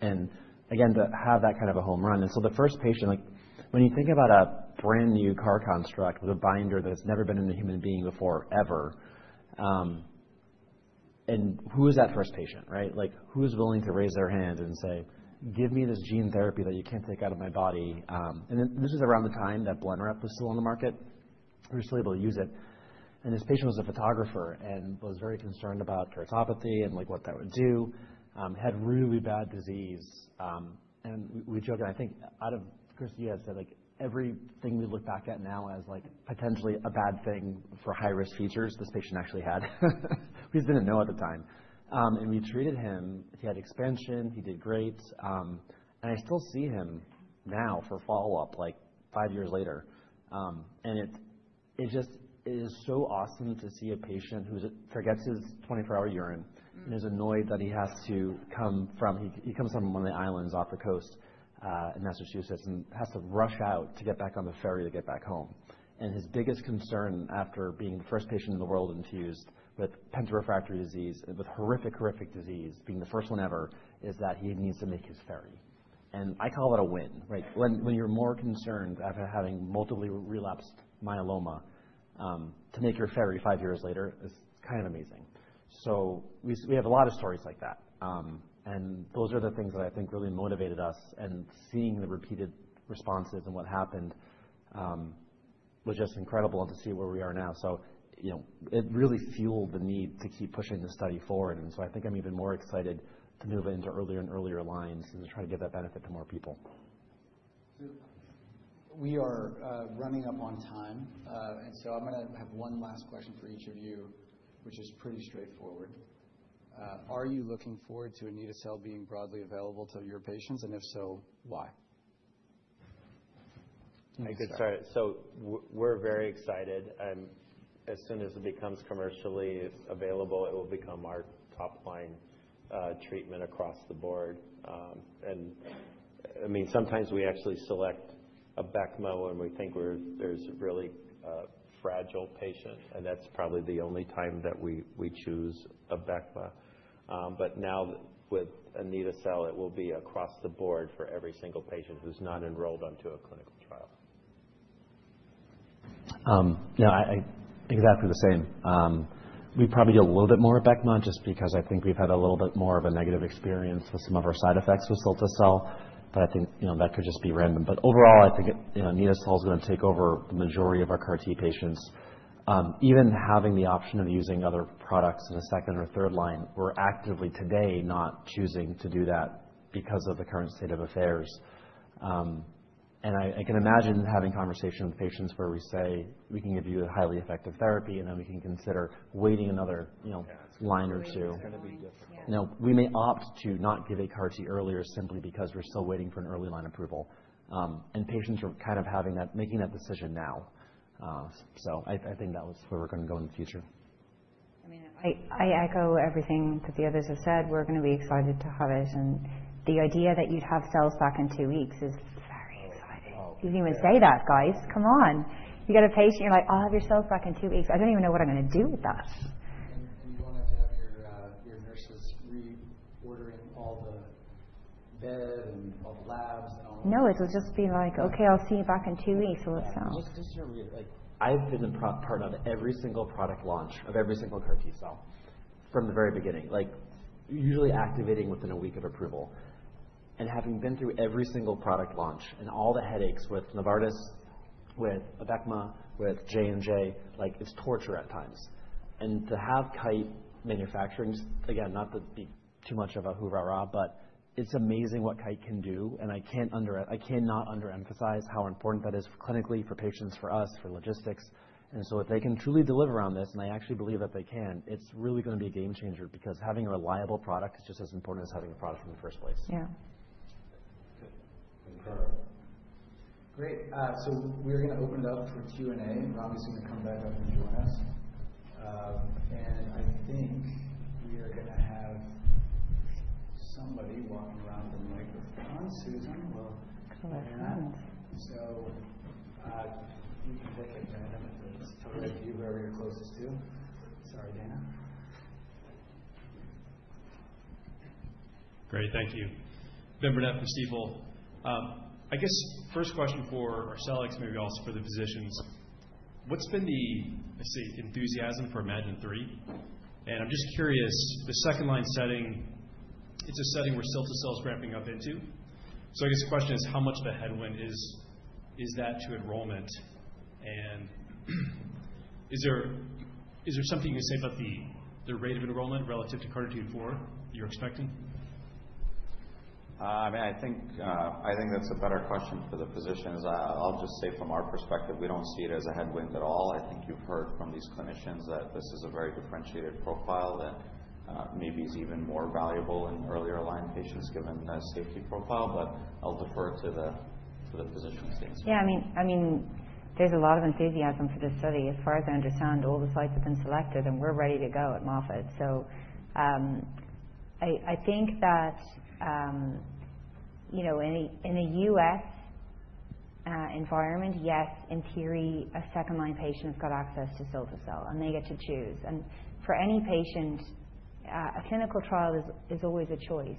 And again, to have that kind of a home run. And so the first patient, when you think about a brand new CAR construct with a binder that has never been in a human being before, ever, and who is that first patient, right? Who is willing to raise their hand and say, "Give me this gene therapy that you can't take out of my body?" And this was around the time that Blenrep was still on the market. We were still able to use it, and this patient was a photographer and was very concerned about keratopathy and what that would do, had really bad disease, and we joke, and I think out of, of course, you had said everything we look back at now as potentially a bad thing for high-risk features, this patient actually had. We just didn't know at the time, and we treated him. He had expansion. He did great, and I still see him now for follow-up five years later, and it just is so awesome to see a patient who forgets his 24-hour urine and is annoyed that he has to come from; he comes from one of the islands off the coast in Massachusetts and has to rush out to get back on the ferry to get back home. And his biggest concern after being the first patient in the world infused with penta-refractory disease and with horrific, horrific disease being the first one ever is that he needs to make his family. And I call that a win, right? When you're more concerned after having multiply relapsed myeloma, to make your family five years later is kind of amazing. So we have a lot of stories like that. And those are the things that I think really motivated us. And seeing the repeated responses and what happened was just incredible to see where we are now. So it really fueled the need to keep pushing the study forward. And so I think I'm even more excited to move into earlier and earlier lines and to try to give that benefit to more people. So we are running up on time. And so I'm going to have one last question for each of you, which is pretty straightforward. Are you looking forward to anito-cel being broadly available to your patients? And if so, why? I could start. So we're very excited. As soon as it becomes commercially available, it will become our top-line treatment across the board. And I mean, sometimes we actually select Abecma when we think there's a really fragile patient, and that's probably the only time that we choose Abecma. But now with anito-cel, it will be across the board for every single patient who's not enrolled onto a clinical trial. No, exactly the same. We probably do a little bit more of Abecma just because I think we've had a little bit more of a negative experience with some of our side effects with Carvykti. But I think that could just be random. But overall, I think anito-cel is going to take over the majority of our CAR-T patients. Even having the option of using other products in a second or third line, we're actively today not choosing to do that because of the current state of affairs. And I can imagine having conversations with patients where we say, "We can give you a highly effective therapy," and then we can consider waiting another line or two. It's going to be difficult. No, we may opt to not give a CAR-T earlier simply because we're still waiting for an early line approval. And patients are kind of making that decision now. So I think that was where we're going to go in the future. I mean, I echo everything that the others have said. We're going to be excited to have it. And the idea that you'd have cells back in two weeks is very exciting. You can even say that, guys. Come on. You get a patient, you're like, "I'll have your cells back in two weeks." I don't even know what I'm going to do with that. And you won't have to have your nurses reordering all the bed and all the labs and all that. No, it'll just be like, "Okay, I'll see you back in two weeks." Yeah. I've been a part of every single product launch of every single CAR-T cell from the very beginning, usually activating within a week of approval. And having been through every single product launch and all the headaches with Novartis, with Abecma, with J&J, it's torture at times. And to have Kite manufacturing, again, not to be too much of a rah-rah, but it's amazing what Kite can do. I cannot underemphasize how important that is clinically for patients, for us, for logistics. So if they can truly deliver on this, and I actually believe that they can, it's really going to be a game changer because having a reliable product is just as important as having a product in the first place. Yeah. Good. Confirm. Great. We're going to open it up for Q&A. Rami's going to come back up and join us. I think we are going to have somebody walking around the microphone. Susan, we'll have connections. You can look at Daina; if it's totally up to you, whoever you're closest to. Sorry, Daina. Great. Thank you. Ben Burnett, Stifel. I guess first question for Arcellx, maybe also for the physicians. What's been the enthusiasm for iMMagine-3? I'm just curious, the second-line setting, it's a setting where Carvykti is ramping up into. So I guess the question is, how much of a headwind is that to enrollment? And is there something you can say about the rate of enrollment relative to CARTITUDE-4 that you're expecting? I mean, I think that's a better question for the physicians. I'll just say from our perspective, we don't see it as a headwind at all. I think you've heard from these clinicians that this is a very differentiated profile that maybe is even more valuable in earlier line patients given the safety profile. But I'll defer to the physicians' things. Yeah. I mean, there's a lot of enthusiasm for this study. As far as I understand, all the sites have been selected, and we're ready to go at Moffitt. So I think that in a U.S. environment, yes, in theory, a second-line patient has got access to Carvykti, and they get to choose. And for any patient, a clinical trial is always a choice.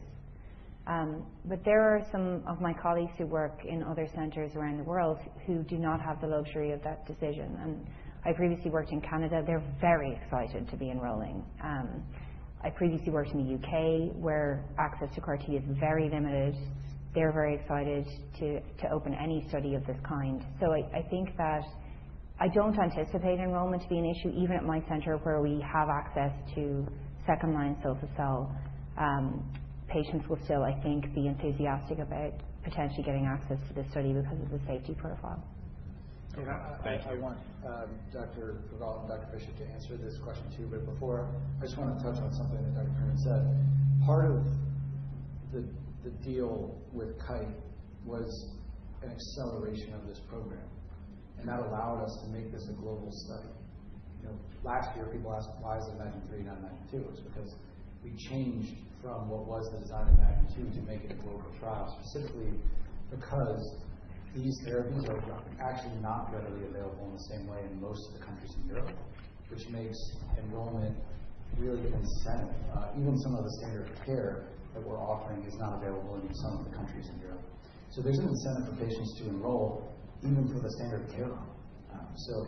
But there are some of my colleagues who work in other centers around the world who do not have the luxury of that decision. And I previously worked in Canada. They're very excited to be enrolling. I previously worked in the U.K., where access to CAR-T is very limited. They're very excited to open any study of this kind. So I think that I don't anticipate enrollment to be an issue, even at my center where we have access to second-line Carvykti. Patients will still, I think, be enthusiastic about potentially getting access to this study because of the safety profile. And I want Dr. Frigault and Dr. Freeman to answer this question too, but before, I just want to touch on something that Dr. Heery said. Part of the deal with Kite was an acceleration of this program. And that allowed us to make this a global study. Last year, people asked, "Why is iMMagine-3 not iMMagine-2?" It's because we changed from what was the design of iMMagine-2 to make it a global trial, specifically because these therapies are actually not readily available in the same way in most of the countries in Europe, which makes enrollment really an incentive. Even some of the standard of care that we're offering is not available in some of the countries in Europe. So there's an incentive for patients to enroll even for the standard of care. So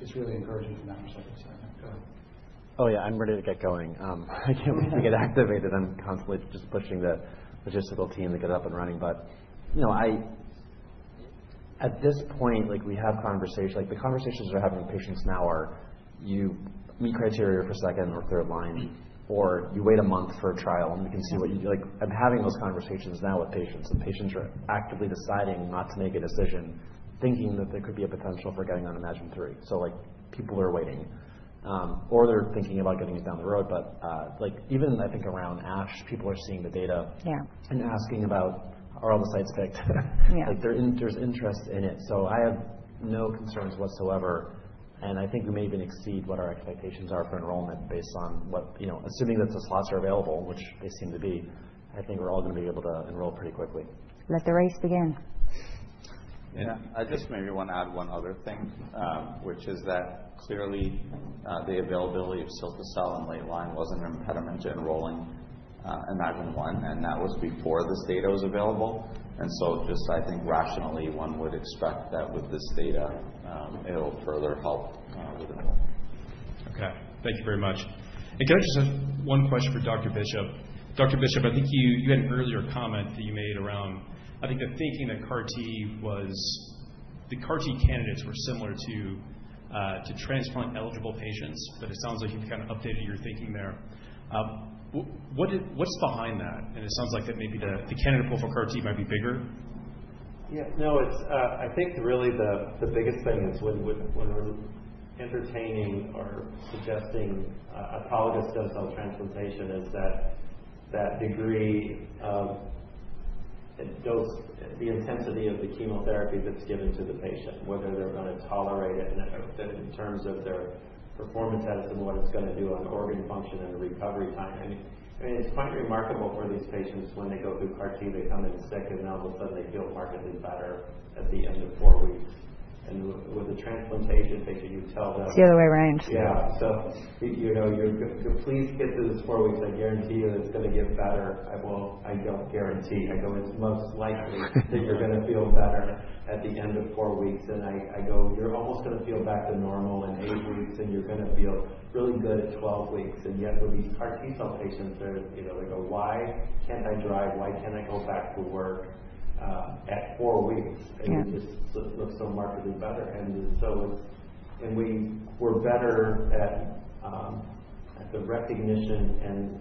it's really encouraging from that perspective. Sorry. Go ahead. Oh, yeah. I'm ready to get going. I can't wait to get activated. I'm constantly just pushing the logistical team to get up and running. But at this point, we have conversations. The conversations we're having with patients now are, "You meet criteria for second or third line, or you wait a month for a trial, and we can see what you do." I'm having those conversations now with patients. And patients are actively deciding not to make a decision, thinking that there could be a potential for getting on iMMagine-3. So people are waiting. Or they're thinking about getting it down the road. But even I think around ASH, people are seeing the data and asking about, "Are all the sites picked?" There's interest in it. So I have no concerns whatsoever. And I think we may even exceed what our expectations are for enrollment based on what, assuming that the slots are available, which they seem to be. I think we're all going to be able to enroll pretty quickly. Let the race begin. And I just maybe want to add one other thing, which is that clearly the availability of Carvykti in late line was an impediment to enrolling iMMagine-1. And that was before this data was available. And so just I think rationally, one would expect that with this data, it'll further help with enrollment. Okay. Thank you very much. And can I just ask one question for Dr. Bishop? Dr. Bishop, I think you had an earlier comment that you made around, I think, the thinking that CAR-T was the CAR-T candidates were similar to transplant-eligible patients. But it sounds like you've kind of updated your thinking there. What's behind that? And it sounds like that maybe the candidate pool for CAR-T might be bigger. Yeah. No, I think really the biggest thing is when we're entertaining or suggesting autologous stem cell transplantation is that degree of the intensity of the chemotherapy that's given to the patient, whether they're going to tolerate it in terms of their performance as to what it's going to do on organ function and recovery time. I mean, it's quite remarkable for these patients when they go through CAR-T, they come in sick, and now all of a sudden they feel markedly better at the end of four weeks. And with a transplantation patient, you tell them. It's the other way around. Yeah. So please get through this four weeks. I guarantee you it's going to get better. I don't guarantee. I go in most likely that you're going to feel better at the end of four weeks. And I go, "You're almost going to feel back to normal in eight weeks, and you're going to feel really good at 12 weeks." And yet with these CAR-T cell patients, they go, "Why can't I drive? Why can't I go back to work at four weeks?" And it just looks so markedly better. And so we're better at the recognition and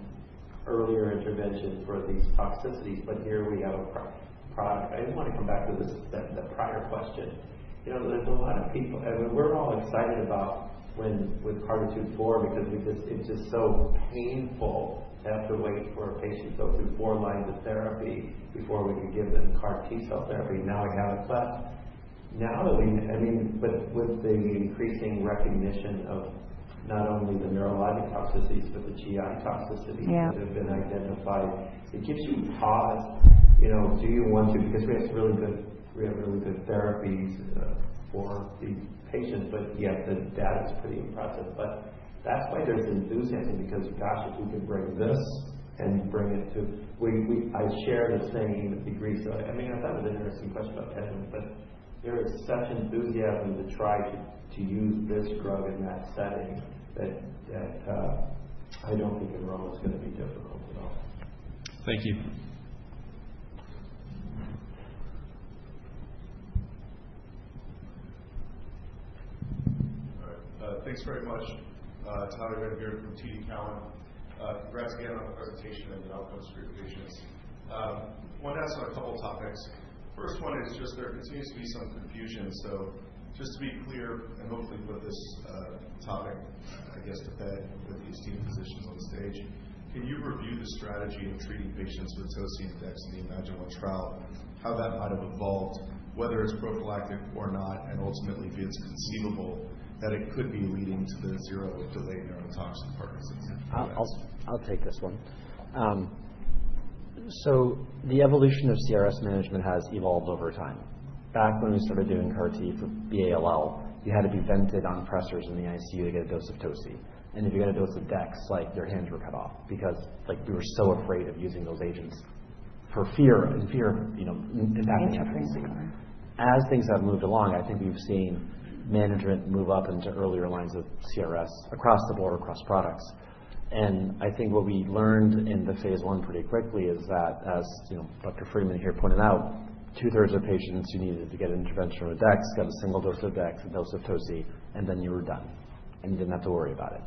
earlier intervention for these toxicities. But here we have a product. I want to come back to the prior question. There's a lot of people. I mean, we're all excited about with CARTITUDE-4 because it's just so painful to have to wait for a patient to go through four lines of therapy before we could give them CAR-T cell therapy. Now we have it. But now that we—I mean, but with the increasing recognition of not only the neurologic toxicities, but the GI toxicities that have been identified, it gives you pause. Do you want to? Because we have really good therapies for these patients. But yet the data is pretty impressive. But that's why there's enthusiasm because, gosh, if we could bring this and bring it to—I share the same degree. So I mean, I thought it was an interesting question about headwinds. But there is such enthusiasm to try to use this drug in that setting that I don't think enrollment is going to be difficult at all. Thank you. All right. Thanks very much, Tyler Van Buren from TD Cowen. Congrats again on the presentation and the outcomes for your patients. I wanted to ask on a couple of topics. First one is just there continues to be some confusion. Just to be clear and hopefully put this topic, I guess, to bed with these two physicians on the stage. Can you review the strategy of treating patients with toci and dex in the iMMagine-1 trial, how that might have evolved, whether it is prophylactic or not, and ultimately, if it is conceivable that it could be leading to the zero delayed neurotoxicity Parkinsonism? I will take this one. The evolution of CRS management has evolved over time. Back when we started doing CAR-T for B-ALL, you had to be vented on pressors in the ICU to get a dose of toci. And if you got a dose of dex, their hands were cut off because we were so afraid of using those agents for fear of impacting everybody. Interesting. As things have moved along, I think we have seen management move up into earlier lines of CRS across the board, across products. I think what we learned in the phase I pretty quickly is that, as Dr. Freeman here pointed out, two-thirds of patients who needed to get intervention from a dex got a single dose of dex, a dose of toci, and then you were done. And you didn't have to worry about it.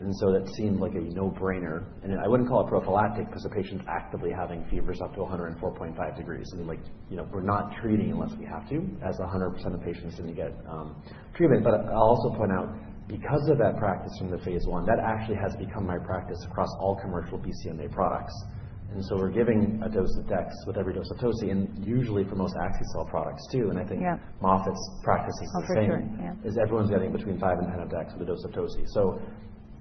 And so that seemed like a no-brainer. And I wouldn't call it prophylactic because the patient's actively having fevers up to 104.5 degrees Fahrenheit. I mean, we're not treating unless we have to, as 100% of patients didn't get treatment. But I'll also point out, because of that practice from the phase I, that actually has become my practice across all commercial BCMA products. And so we're giving a dose of dex with every dose of toci, and usually for most axi-cel products too. I think Moffitt's practice is the same, is everyone's getting between five and 10 of dex with a dose of toci. So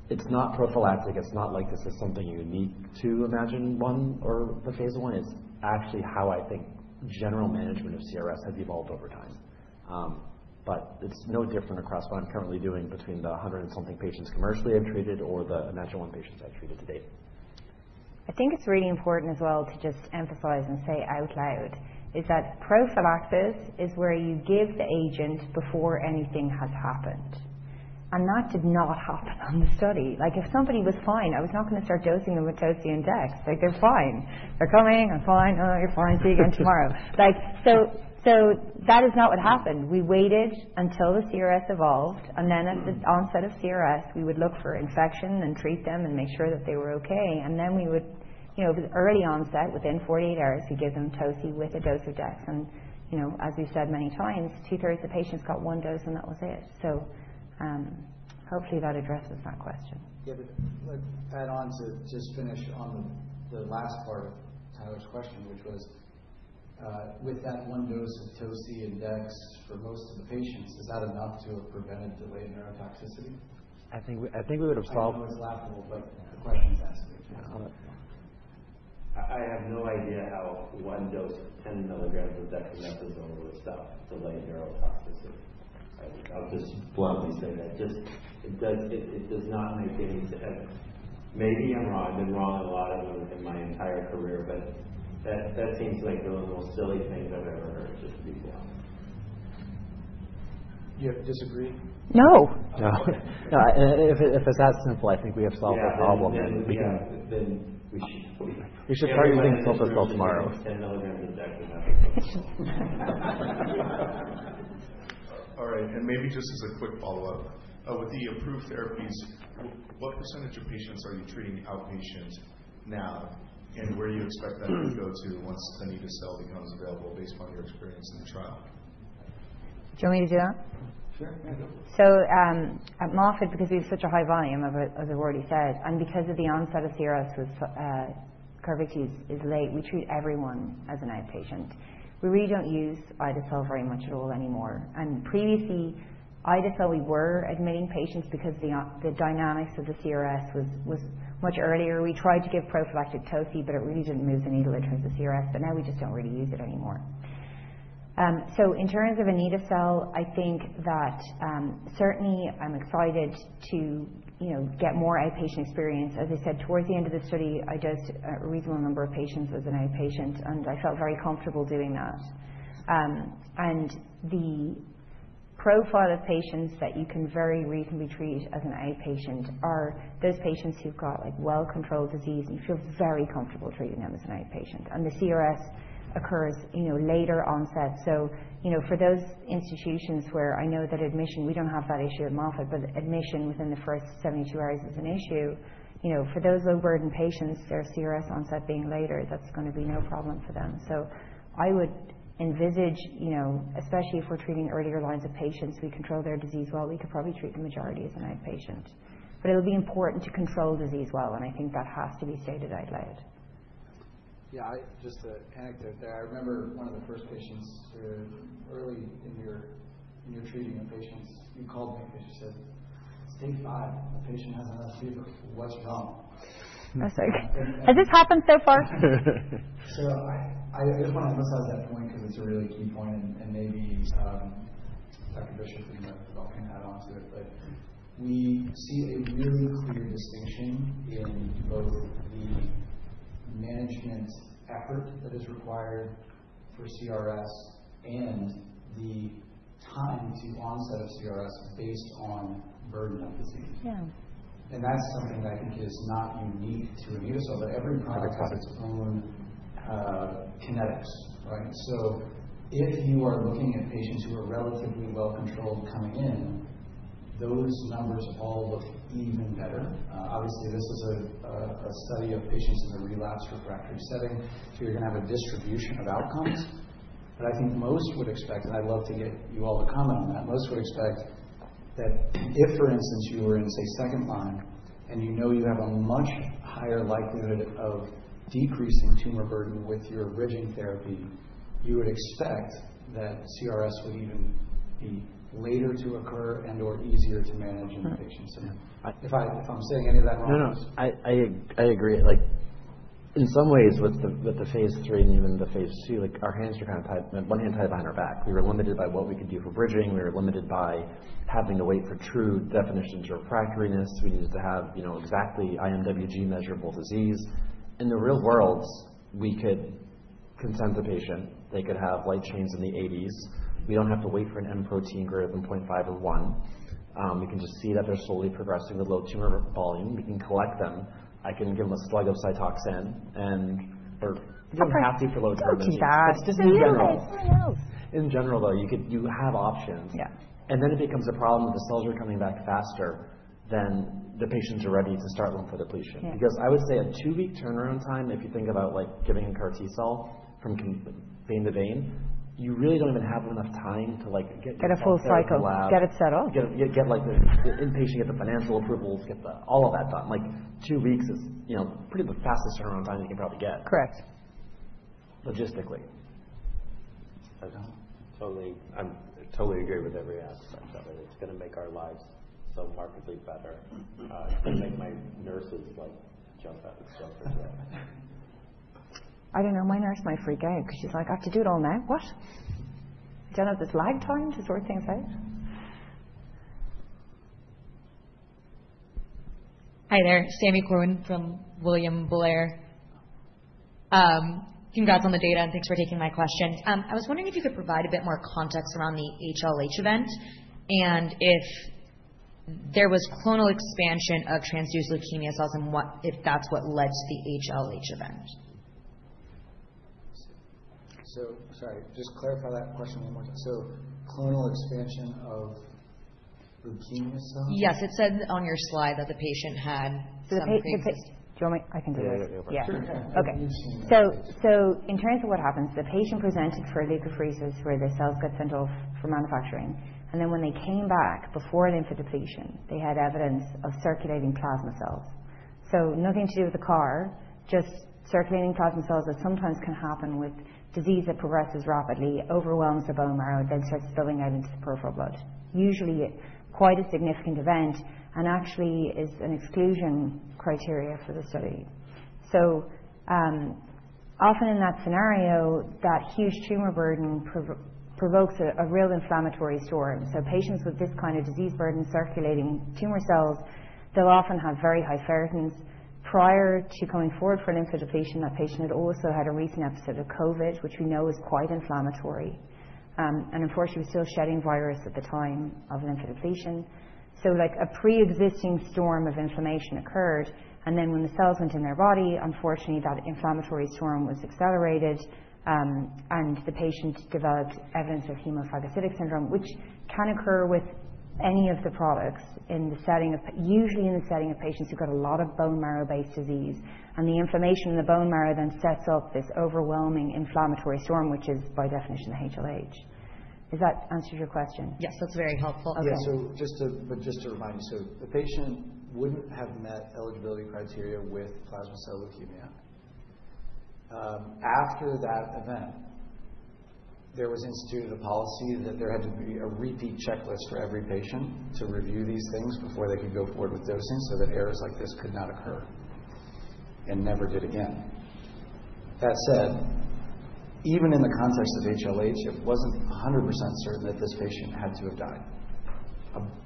it's not prophylactic. It's not like this is something unique to iMMagine-1 or the phase I. It's actually how I think general management of CRS has evolved over time. But it's no different across what I'm currently doing between the 100 and something patients commercially I've treated or the iMMagine-1 patients I've treated to date. I think it's really important as well to just emphasize and say out loud is that prophylaxis is where you give the agent before anything has happened. That did not happen on the study. If somebody was fine, I was not going to start dosing them with toci and dex. They're fine. They're coming. I'm fine. Oh, you're fine. See you again tomorrow. That is not what happened. We waited until the CRS resolved, and then at the onset of CRS, we would look for infection and treat them and make sure that they were okay, and then we would, early onset, within 48 hours, give them toci with a dose of dex. And as we've said many times, two-thirds of patients got one dose, and that was it, so hopefully that addresses that question. Yeah, but let's add on to just finish on the last part of Tyler's question, which was, with that one dose of toci and dex for most of the patients, is that enough to have prevented delayed neurotoxicity? I think we would have solved. That was laughable, but the question's asked. I have no idea how one dose of 10 milligrams of dexamethasone would have stopped delayed neurotoxicity. I'll just bluntly say that. It does not make any sense, maybe I'm wrong. I've been wrong a lot in my entire career, but that seems like one of the most silly things I've ever heard, just to be blunt. You have to disagree? No. No. No. If it's that simple, I think we have solved the problem. Yeah. Yeah. Yeah. Then we should probably drink Carvykti tomorrow. We should drink 10 milligrams of dexamethasone. All right, and maybe just as a quick follow-up, with the approved therapies, what percentage of patients are you treating outpatient now? Where do you expect that to go to once the anito-cel becomes available based upon your experience in the trial? Do you want me to do that? Sure. Yeah. Go ahead. So at Moffitt, because we have such a high volume, as I've already said, and because of the onset of CRS with CAR-T is late, we treat everyone as an outpatient. We really don't use axi-cel very much at all anymore. And previously, axi-cel, we were admitting patients because the dynamics of the CRS was much earlier. We tried to give prophylactic toci, but it really didn't move the needle in terms of CRS. But now we just don't really use it anymore. So in terms of anito-cel, I think that certainly I'm excited to get more outpatient experience. As I said, towards the end of the study, I dosed a reasonable number of patients as an outpatient. And I felt very comfortable doing that. The profile of patients that you can very reasonably treat as an outpatient are those patients who've got well-controlled disease, and you feel very comfortable treating them as an outpatient. And the CRS occurs later onset. So for those institutions where I know that admission, we don't have that issue at Moffitt, but admission within the first 72 hours is an issue. For those low-burden patients, their CRS onset being later, that's going to be no problem for them. So I would envisage, especially if we're treating earlier lines of patients, we control their disease well. We could probably treat the majority as an outpatient. But it'll be important to control disease well. And I think that has to be stated out loud. Yeah. Just an anecdote there. I remember one of the first patients early in your treating of patients, you called me because you said, "Stage five. A patient hasn't had a fever. What's wrong?" I was like, "Has this happened so far?" So I just want to emphasize that point because it's a really key point. And maybe Dr. Bishop can add on to it. But we see a really clear distinction in both the management effort that is required for CRS and the time to onset of CRS based on burden of disease. And that's something that I think is not unique to anito-cel. But every product has its own kinetics, right? So if you are looking at patients who are relatively well-controlled coming in, those numbers all look even better. Obviously, this is a study of patients in a relapse refractory setting. So you're going to have a distribution of outcomes. But I think most would expect, and I'd love to get you all to comment on that, most would expect that if, for instance, you were in, say, second line, and you know you have a much higher likelihood of decreasing tumor burden with your bridging therapy, you would expect that CRS would even be later to occur and/or easier to manage in the patients. And if I'm saying any of that wrong, just. No, no. I agree. In some ways, with the phase III and even the phase II, our hands were kind of tied, one hand tied behind our back. We were limited by what we could do for bridging. We were limited by having to wait for true definition of refractoriness. We needed to have exactly IMWG measurable disease. In the real world, we could consent the patient. They could have light chains in the 80s. We don't have to wait for an M-protein greater than 0.5 or one. We can just see that they're slowly progressing with low tumor volume. We can collect them. I can give them a slug of Cytoxan, and—or you don't have to for low tumor disease. It's too bad. It's just in general. Yes. Who knows? In general, though, you have options, and then it becomes a problem if the cells are coming back faster than the patients are ready to start lymphodepletion, because I would say a two-week turnaround time, if you think about giving a CAR-T cell from vein to vein, you really don't even have enough time to get a full cycle, get it set up, get the inpatient, get the financial approvals, get all of that done. Two weeks is probably the fastest turnaround time you can probably get. Correct. Logistically. I totally agree with every aspect of it. It's going to make our lives so markedly better. It's going to make my nurses jump as well. I don't know. My nurse might freak out because she's like, "I have to do it all night." What? Do I have this lag time to sort things out? Hi there. Sami Corwin from William Blair. Congrats on the data, and thanks for taking my question. I was wondering if you could provide a bit more context around the HLH event and if there was clonal expansion of transduced leukemia cells and if that's what led to the HLH event. So sorry. Just clarify that question one more time. So clonal expansion of leukemia cells? Yes. It said on your slide that the patient had some increase. Do you want me? I can do it. Yeah. Sure. So in terms of what happens, the patient presented for leukapheresis where the cells got sent off for manufacturing. And then when they came back before the infusion, they had evidence of circulating plasma cells. So nothing to do with the CAR, just circulating plasma cells that sometimes can happen with disease that progresses rapidly, overwhelms the bone marrow, then starts spilling out into the peripheral blood. Usually, quite a significant event and actually is an exclusion criteria for the study. So often in that scenario, that huge tumor burden provokes a real inflammatory storm. So patients with this kind of disease burden circulating tumor cells, they'll often have very high ferritins. Prior to coming forward for lymphodepletion, that patient had also had a recent episode of COVID, which we know is quite inflammatory. And unfortunately, we're still shedding virus at the time of lymphodepletion. So a pre-existing storm of inflammation occurred. And then when the cells went in their body, unfortunately, that inflammatory storm was accelerated, and the patient developed evidence of hemophagocytic syndrome, which can occur with any of the products usually in the setting of patients who've got a lot of bone marrow-based disease. And the inflammation in the bone marrow then sets up this overwhelming inflammatory storm, which is by definition the HLH. Does that answer your question? Yes. That's very helpful. Yeah. Okay. But just to remind you, so the patient wouldn't have met eligibility criteria with plasma cell leukemia. After that event, there was instituted a policy that there had to be a repeat checklist for every patient to review these things before they could go forward with dosing so that errors like this could not occur and never did again. That said, even in the context of HLH, it wasn't 100% certain that this patient had to have died.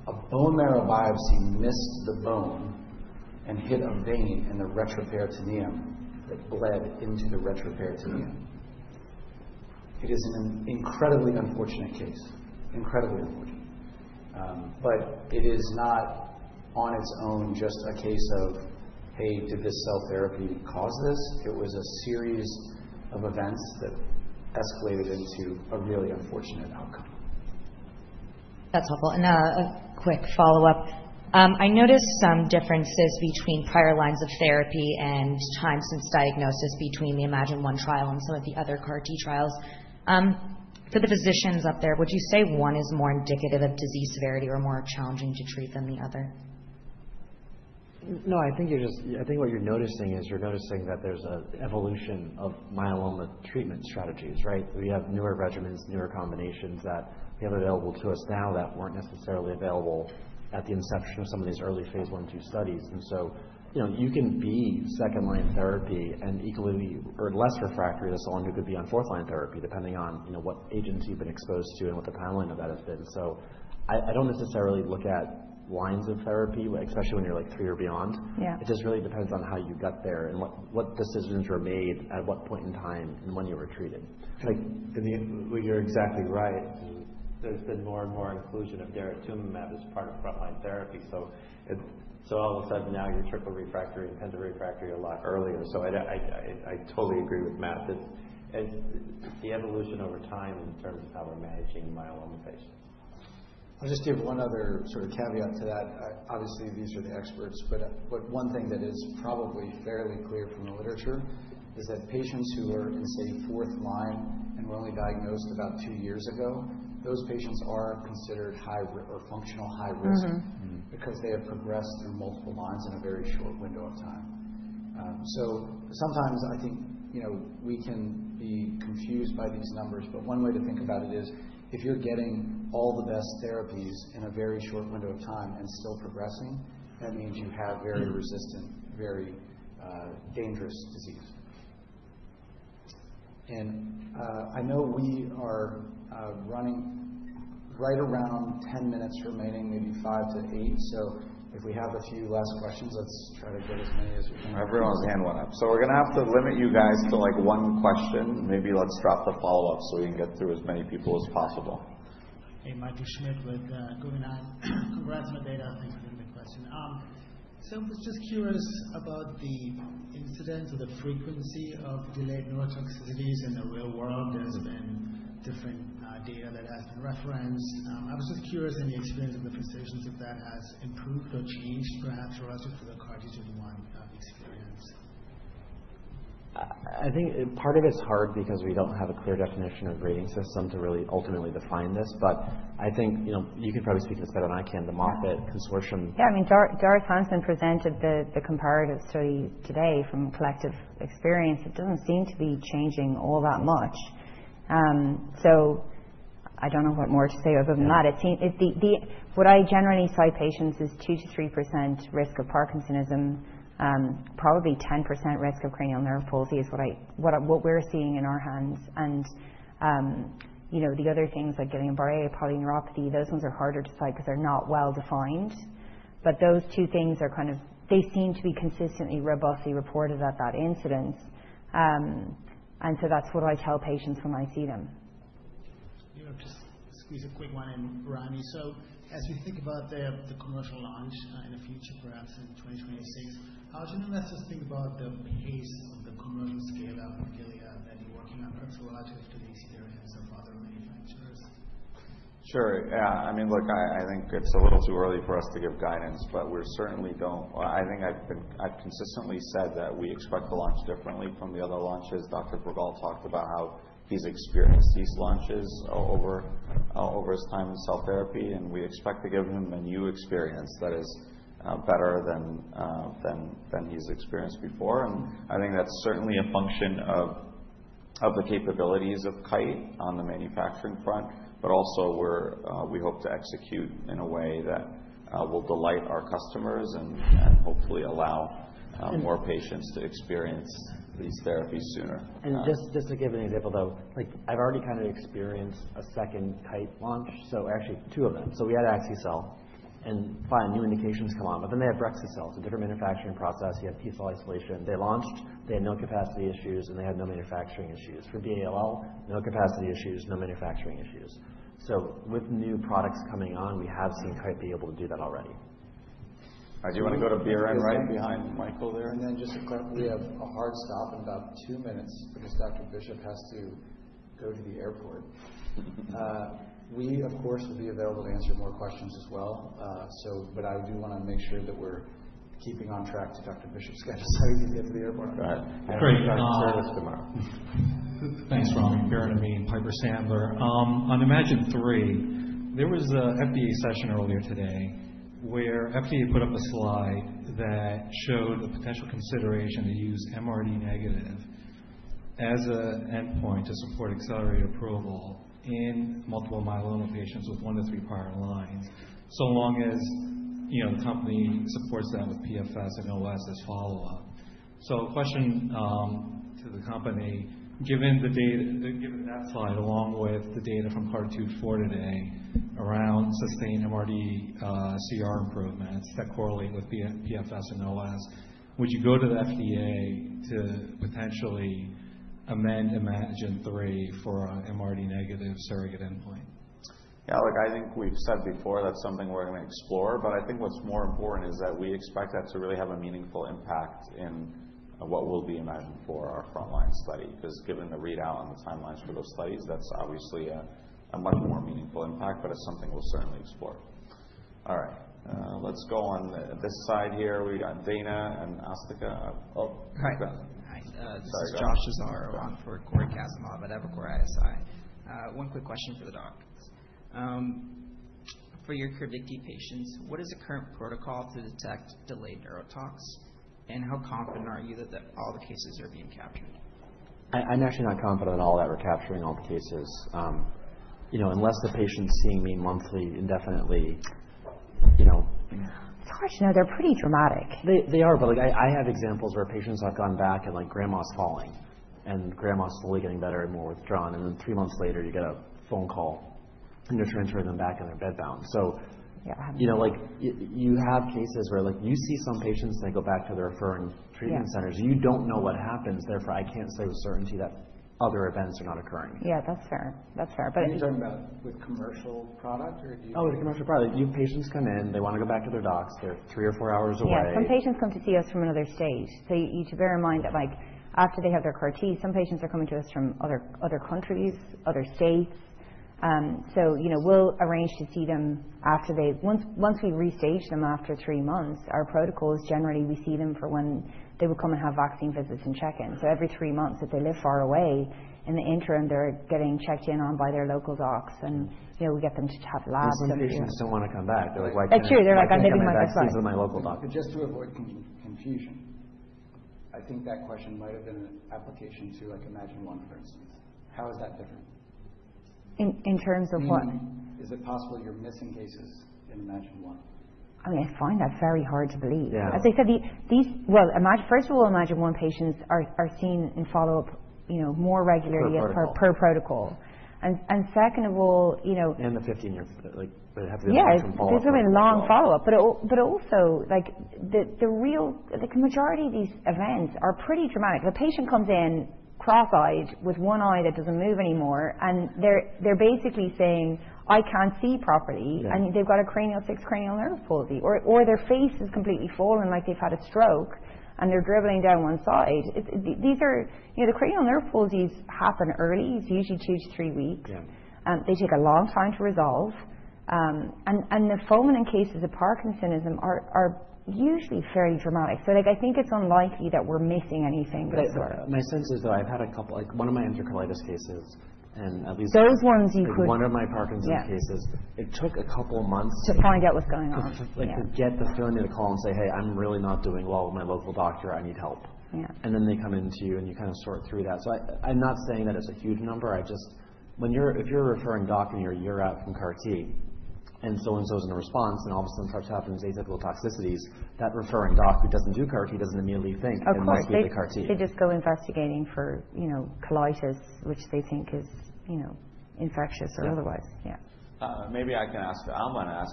A bone marrow biopsy missed the bone and hit a vein in the retroperitoneum that bled into the retroperitoneum. It is an incredibly unfortunate case. Incredibly unfortunate. But it is not on its own just a case of, "Hey, did this cell therapy cause this?" It was a series of events that escalated into a really unfortunate outcome. That's helpful. And a quick follow-up. I noticed some differences between prior lines of therapy and time since diagnosis between the iMMagine-1 trial and some of the other CAR-T trials. For the physicians up there, would you say one is more indicative of disease severity or more challenging to treat than the other? No. I think what you're noticing is that there's an evolution of myeloma treatment strategies, right? We have newer regimens, newer combinations that we have available to us now that weren't necessarily available at the inception of some of these early phase I and two studies. And so you can be second-line therapy and equally or less refractory to someone who could be on fourth-line therapy depending on what agents you've been exposed to and what the timeline of that has been. So I don't necessarily look at lines of therapy, especially when you're three or beyond. It just really depends on how you got there and what decisions were made at what point in time and when you were treated. You're exactly right. There's been more and more inclusion of daratumumab as part of front-line therapy, so all of a sudden, now you're triple refractory and Dara refractory a lot earlier, so I totally agree with Matt. It's the evolution over time in terms of how we're managing myeloma patients. I'll just give one other sort of caveat to that. Obviously, these are the experts. But one thing that is probably fairly clear from the literature is that patients who are in, say, fourth line and were only diagnosed about two years ago, those patients are considered high or functional high risk because they have progressed through multiple lines in a very short window of time, so sometimes, I think we can be confused by these numbers. But one way to think about it is if you're getting all the best therapies in a very short window of time and still progressing, that means you have very resistant, very dangerous disease. And I know we are running right around 10 minutes remaining, maybe five to eight. So if we have a few last questions, let's try to get as many as we can. Everyone's hand went up. So we're going to have to limit you guys to one question. Maybe let's drop the follow-up so we can get through as many people as possible. Hey, Matthew Schmidt with Guggenheim Securities. Congrats on the data. Thanks for the question. So I was just curious about the incidence or the frequency of delayed neurotoxicities in the real world. There's been different data that has been referenced. I was just curious in the experience of the physicians if that has improved or changed perhaps relative to the CARTITUDE-1 experience. I think part of it's hard because we don't have a clear definition or grading system to really ultimately define this. But I think you can probably speak to this better than I can. The Moffitt Cancer Center. Yeah. I mean, Doris Hansen presented the comparative study today from collective experience. It doesn't seem to be changing all that much. So I don't know what more to say other than that. What I generally cite to patients is 2-3% risk of Parkinsonism, probably 10% risk of cranial nerve palsy is what we're seeing in our hands. And the other things like Guillain-Barré, polyneuropathy, those ones are harder to cite because they're not well-defined. But those two things are kind of, they seem to be consistently robustly reported at that incidence. And so that's what I tell patients when I see them. Just squeeze a quick one in, Rami. So as you think about the commercial launch in the future, perhaps in 2026, how do you investors think about the pace of the commercial scale-up of Gilead that you're working on relative to the experience of other manufacturers? Sure. I mean, look, I think it's a little too early for us to give guidance. But we certainly don't. I think I've consistently said that we expect to launch differently from the other launches. Dr. Frigault talked about how he's experienced these launches over his time in cell therapy. And we expect to give him a new experience that is better than he's experienced before. I think that's certainly a function of the capabilities of Kite on the manufacturing front. But also, we hope to execute in a way that will delight our customers and hopefully allow more patients to experience these therapies sooner. Just to give an example, though, I've already kind of experienced a second Kite launch. So actually, two of them. So we had axi-cel and then new indications come on. But then they had brexu-cel, so different manufacturing process. You had T-cell isolation. They launched. They had no capacity issues, and they had no manufacturing issues. For all, no capacity issues, no manufacturing issues. So with new products coming on, we have seen Kite be able to do that already. All right. Do you want to go to Biren right behind Michael there? Just a quick, we have a hard stop in about two minutes because Dr.Bishop has to go to the airport. We, of course, will be available to answer more questions as well. But I do want to make sure that we're keeping on track to Dr. Bishop's schedule so he can get to the airport on time. All right. I'm pretty much out of service tomorrow. Thanks, Rami. Biren Amin at Piper Sandler. On iMMagine-3, there was an FDA session earlier today where FDA put up a slide that showed the potential consideration to use MRD negative as an endpoint to support accelerated approval in multiple myeloma patients with one to three prior lines so long as the company supports that with PFS and OS as follow-up. So a question to the company. Given that slide along with the data from CARTITUDE-4 today around sustained MRD CR improvements that correlate with PFS and OS, would you go to the FDA to potentially amend iMMagine-3 for an MRD-negative surrogate endpoint? Yeah. Look, I think we've said before that's something we're going to explore. But I think what's more important is that we expect that to really have a meaningful impact in what will be iMMagine-4, our front-line study. Because given the readout and the timelines for those studies, that's obviously a much more meaningful impact. But it's something we'll certainly explore. All right. Let's go on this side here. We've got Daina and Asthika. Oh, go ahead. Hi. This is Josh Schimmer on for Corey Kasimov at Evercore ISI. One quick question for the docs. For your CAR-T patients, what is the current protocol to detect delayed neurotoxicity? And how confident are you that all the cases are being captured? I'm actually not confident at all that we're capturing all the cases. Unless the patient's seeing me monthly indefinitely. Gosh, no. They're pretty dramatic. They are. But I have examples where patients have gone back and grandma's falling. And grandma's slowly getting better and more withdrawn. And then three months later, you get a phone call and you're transferring them back in their bedbound. So you have cases where you see some patients and they go back to their referring treatment centers. You don't know what happens. Therefore, I can't say with certainty that other events are not occurring. Yeah. That's fair. That's fair. But you're talking about with commercial product or do you? Oh, with commercial product. Patients come in. They want to go back to their docs. They're three or four hours away. Yeah. Some patients come to see us from another state. So you need to bear in mind that after they have their CAR-T, some patients are coming to us from other countries, other states. So we'll arrange to see them after they once we restage them after three months. Our protocol is generally we see them for when they will come and have vaccine visits and check-ins. So every three months, if they live far away, in the interim, they're getting checked in on by their local docs. And we get them to have labs. Some patients don't want to come back. They're like, "Why can't I?" That's true. They're like, "I'm getting my vaccines with my local doc." And just to avoid confusion, I think that question might have been an application to iMMagine-1, for instance. How is that different? In terms of what? Is it possible you're missing cases in iMMagine-1? I mean, I find that very hard to believe. As I said, well, first of all, iMMagine-1 patients are seen in follow-up more regularly per protocol. And second of all, in the 15 years, they have to have some follow-up. Yes. It's a really long follow-up. But also, the majority of these events are pretty dramatic. The patient comes in cross-eyed with one eye that doesn't move anymore. And they're basically saying, "I can't see properly." And they've got a cranial nerve six palsy. Or their face is completely fallen like they've had a stroke, and they're dribbling down one side. The cranial nerve palsies happen early. It's usually two to three weeks. They take a long time to resolve. And the fulminant cases of Parkinsonism are usually fairly dramatic. So I think it's unlikely that we're missing anything of this sort. My sense is that I've had a couple of my enterocolitis cases, and at least in one of my Parkinsonism cases, it took a couple of months to find out what's going on. To get the feeling, they had to call and say, "Hey, I'm really not doing well with my local doctor. I need help," and then they come in to you, and you kind of sort through that, so I'm not saying that it's a huge number. If you're a referring doc and you're out from CAR-T and so-and-so is in response, and all of a sudden these atypical toxicities start to happen, that referring doc who doesn't do CAR-T doesn't immediately think, "It's likely CAR-T." They just go investigating for colitis, which they think is infectious or otherwise. Yeah. I'm going to ask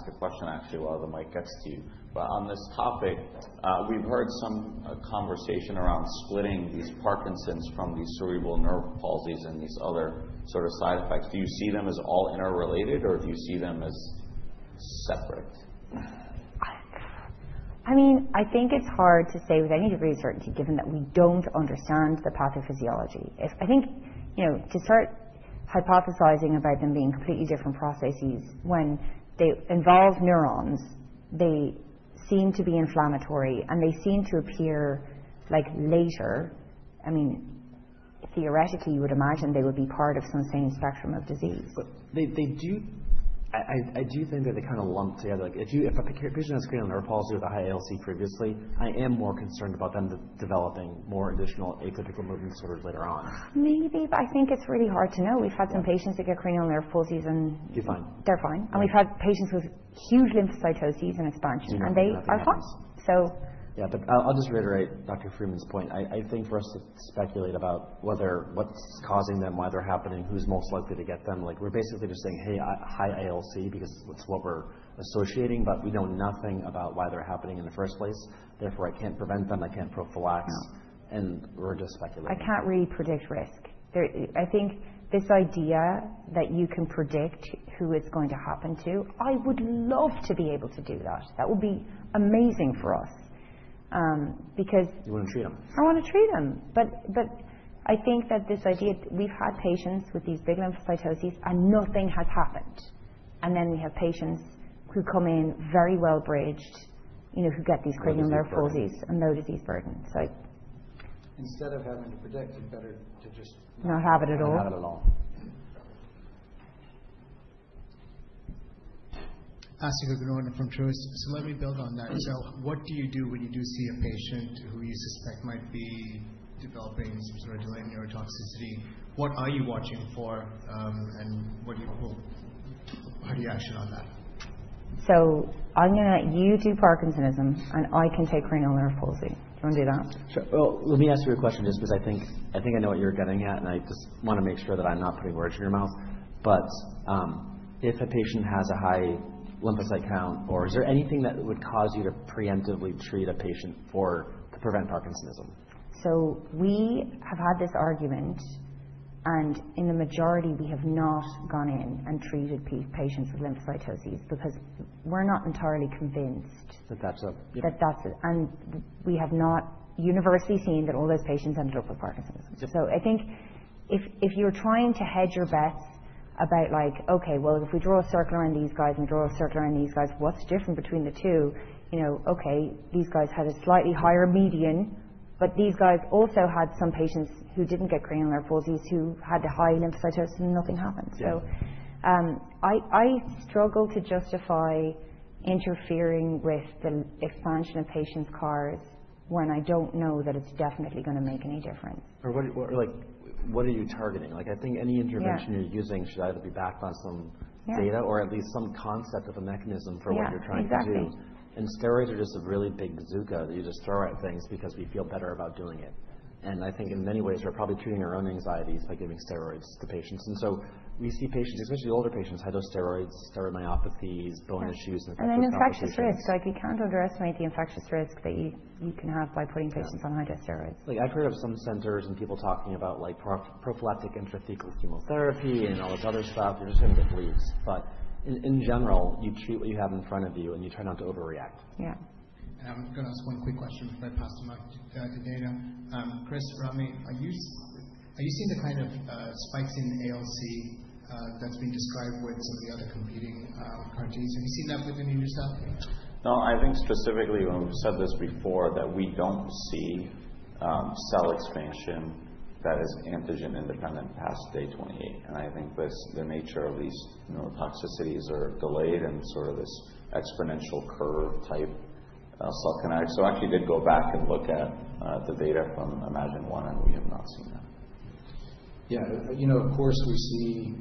a question actually while the mic gets to you. On this topic, we've heard some conversation around splitting these Parkinsonism from these cranial nerve palsies and these other sort of side effects. Do you see them as all interrelated, or do you see them as separate? I mean, I think it's hard to say with any degree of certainty given that we don't understand the pathophysiology. I think to start hypothesizing about them being completely different processes, when they involve neurons, they seem to be inflammatory, and they seem to appear later. I mean, theoretically, you would imagine they would be part of some same spectrum of disease, but I do think that they kind of lump together. If a patient has cranial nerve palsy with a high ALC previously, I am more concerned about them developing more additional atypical movement disorders later on. Maybe, but I think it's really hard to know. We've had some patients that get cranial nerve palsies and they're fine. They're fine, and we've had patients with huge lymphocytoses and expansion, and they are fine, so yeah, but I'll just reiterate Dr. Freeman's point. I think for us to speculate about what's causing them, why they're happening, who's most likely to get them, we're basically just saying, "Hey, high ALC," because it's what we're associating, but we know nothing about why they're happening in the first place. Therefore, I can't prevent them. I can't prophylax, and we're just speculating. I can't really predict risk. I think this idea that you can predict who it's going to happen to. I would love to be able to do that. That would be amazing for us because you want to treat them. I want to treat them. But I think that this idea we've had patients with these big lymphocytoses, and nothing has happened. And then we have patients who come in very well-bridged, who get these cranial nerve palsies and low disease burden, so instead of having to predict it, better to just not have it at all. Not have it at all. Asking a good one from Truist, so let me build on that, so what do you do when you do see a patient who you suspect might be developing some sort of delayed neurotoxicity? What are you watching for? And how do you action on that? So you do parkinsonism, and I can take cranial nerve palsy. Do you want to do that? Well, let me ask you a question just because I think I know what you're getting at. And I just want to make sure that I'm not putting words in your mouth. But if a patient has a high lymphocyte count, or is there anything that would cause you to preemptively treat a patient to prevent parkinsonism? So we have had this argument. And in the majority, we have not gone in and treated patients with lymphocytosis because we're not entirely convinced that that's a—and we have not universally seen that all those patients ended up with parkinsonism. So I think if you're trying to hedge your bets about, "Okay. Well, if we draw a circle around these guys and we draw a circle around these guys, what's different between the two?" Okay. These guys had a slightly higher median. But these guys also had some patients who didn't get cranial nerve palsies who had a high lymphocytosis, and nothing happened. So I struggle to justify interfering with the expansion of patients' CARs when I don't know that it's definitely going to make any difference. Or what are you targeting? I think any intervention you're using should either be backed on some data or at least some concept of a mechanism for what you're trying to do. And steroids are just a really big bazooka that you just throw at things because we feel better about doing it. And I think in many ways, we're probably treating our own anxieties by giving steroids to patients. And so we see patients, especially older patients, have those steroids, steroid myopathies, bone issues, infectious diseases. And then infectious risk. You can't underestimate the infectious risk that you can have by putting patients on high-dose steroids. I've heard of some centers and people talking about prophylactic intrathecal chemotherapy and all this other stuff. You're just going to get bleeds. But in general, you treat what you have in front of you, and you try not to overreact. Yeah. And I'm going to ask one quick question before I pass the mic to Daina. Chris, Rami, are you seeing the kind of spikes in ALC that's been described with some of the other competing CAR-Ts? Have you seen that within yourself? No. I think specifically, we've said this before, that we don't see cell expansion that is antigen-independent past day 28. And I think the nature of these neurotoxicities are delayed in sort of this exponential curve type cell kinetics. So I actually did go back and look at the data from iMMagine-1, and we have not seen that. Yeah. Of course, we see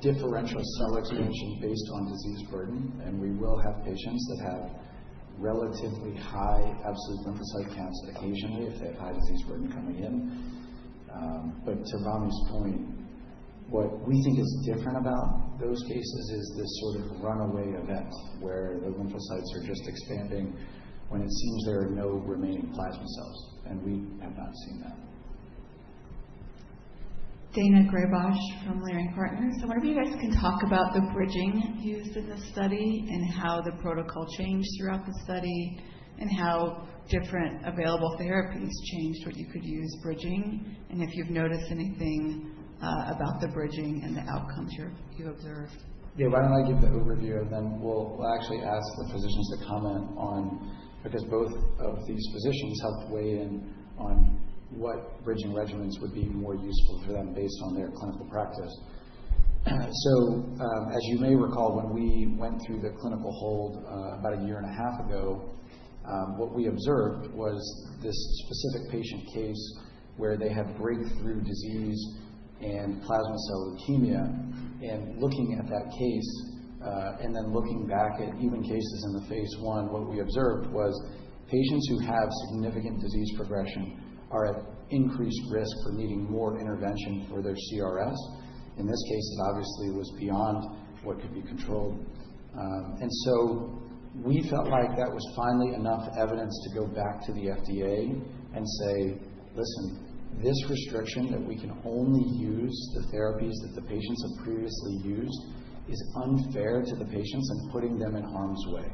differential cell expansion based on disease burden. We will have patients that have relatively high absolute lymphocyte counts occasionally if they have high disease burden coming in. But to Rami's point, what we think is different about those cases is this sort of runaway event where the lymphocytes are just expanding when it seems there are no remaining plasma cells. We have not seen that. Daina Graybosch from Leerink Partners. I wonder if you guys can talk about the bridging used in this study and how the protocol changed throughout the study and how different available therapies changed what you could use bridging. If you've noticed anything about the bridging and the outcomes you observed. Yeah. Why don't I give the overview, and then we'll actually ask the physicians to comment on because both of these physicians helped weigh in on what bridging regimens would be more useful for them based on their clinical practice. So as you may recall, when we went through the clinical hold about a year and a half ago, what we observed was this specific patient case where they had breakthrough disease and plasma cell leukemia. And looking at that case and then looking back at even cases in the phase I, what we observed was patients who have significant disease progression are at increased risk for needing more intervention for their CRS. In this case, it obviously was beyond what could be controlled. And so we felt like that was finally enough evidence to go back to the FDA and say, "Listen, this restriction that we can only use the therapies that the patients have previously used is unfair to the patients and putting them in harm's way."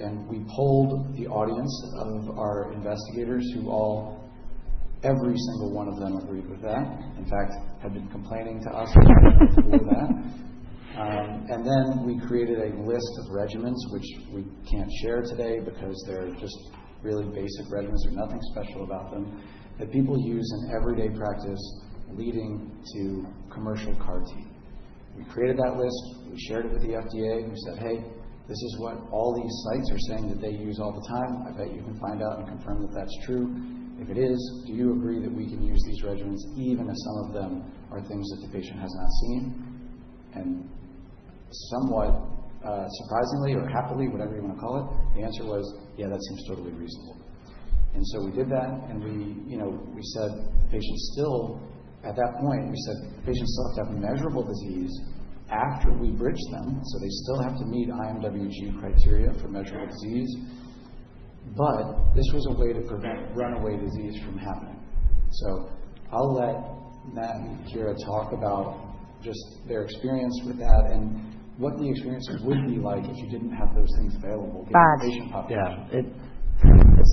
And we polled the audience of our investigators who all, every single one of them agreed with that. In fact, had been complaining to us before that. And then we created a list of regimens, which we can't share today because they're just really basic regimens. There's nothing special about them, that people use in everyday practice leading to commercial CAR-T. We created that list. We shared it with the FDA. We said, "Hey, this is what all these sites are saying that they use all the time. I bet you can find out and confirm that that's true. If it is, do you agree that we can use these regimens even if some of them are things that the patient has not seen?" Somewhat surprisingly or happily, whatever you want to call it, the answer was, "Yeah. That seems totally reasonable." So we did that. We said, at that point, the patients still have to have measurable disease after we bridge them. So they still have to meet IMWG criteria for measurable disease. But this was a way to prevent runaway disease from happening. So I'll let Matt and Ciara talk about just their experience with that and what the experience would be like if you didn't have those things available given the patient population. Yeah.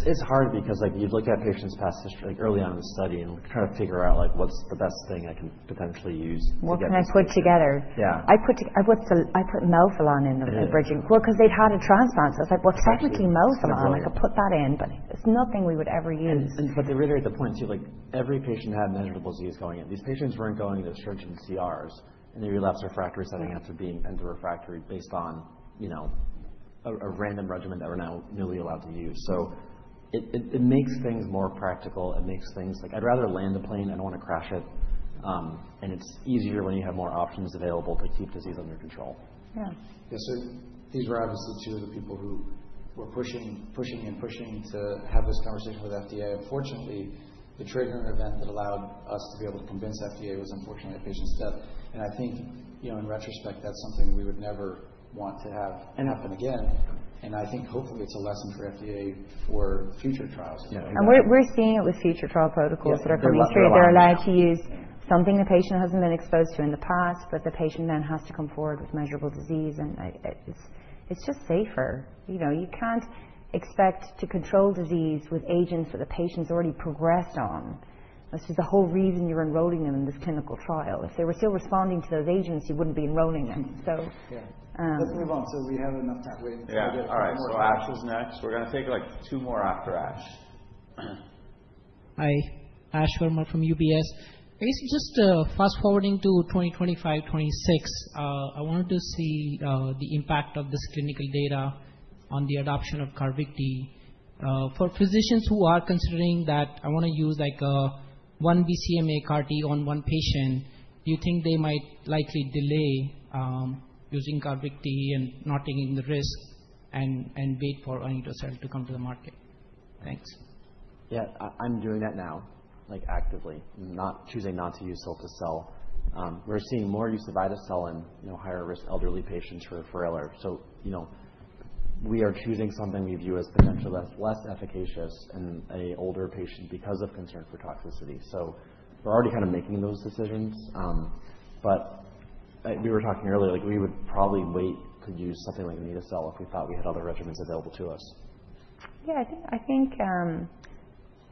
It's hard because you'd look at patients' past history early on in the study and try to figure out what's the best thing I can potentially use to get them to. What can I put together? I put melphalan in the bridging, well, because they've had a transplant. So I was like, "Well, technically, melphalan, I could put that in," but it's nothing we would ever use. But to reiterate the point too, every patient had measurable disease going in. These patients weren't achieving CRs in the relapsed refractory setting after being triple refractory based on a standard regimen that we're now newly allowed to use, so it makes things more practical. It makes things like I'd rather land a plane. I don't want to crash it, and it's easier when you have more options available to keep disease under control. Yeah. So these were obviously two of the people who were pushing and pushing to have this conversation with FDA. Unfortunately, the triggering event that allowed us to be able to convince FDA was unfortunately a patient's death. And I think in retrospect, that's something we would never want to have happen again. And I think hopefully, it's a lesson for FDA for future trials. Yeah. And we're seeing it with future trial protocols that are coming through. They're allowed to use something the patient hasn't been exposed to in the past, but the patient then has to come forward with measurable disease. And it's just safer. You can't expect to control disease with agents that the patient's already progressed on. This was the whole reason you're enrolling them in this clinical trial. If they were still responding to those agents, you wouldn't be enrolling them. So yeah. Let's move on. So we have enough time to wait until we get more. Yeah. All right. So Ash's next. We're going to take two more after Ash. Hi. Ashwani Verma from UBS. Basically, just fast forwarding to 2025, 2026, I wanted to see the impact of this clinical data on the adoption of Carvykti for physicians who are considering that I want to use one BCMA CAR-T on one patient. Do you think they might likely delay using Carvykti and not taking the risk and wait for anito-cel to come to the market? Thanks. Yeah. I'm doing that now actively, choosing not to use Carvykti. We're seeing more use of ide-cel in higher-risk elderly patients for failure. So we are choosing something we view as potentially less efficacious in an older patient because of concern for toxicity. So we're already kind of making those decisions. But we were talking earlier, we would probably wait to use something like an anito-cel if we thought we had other regimens available to us. Yeah. I think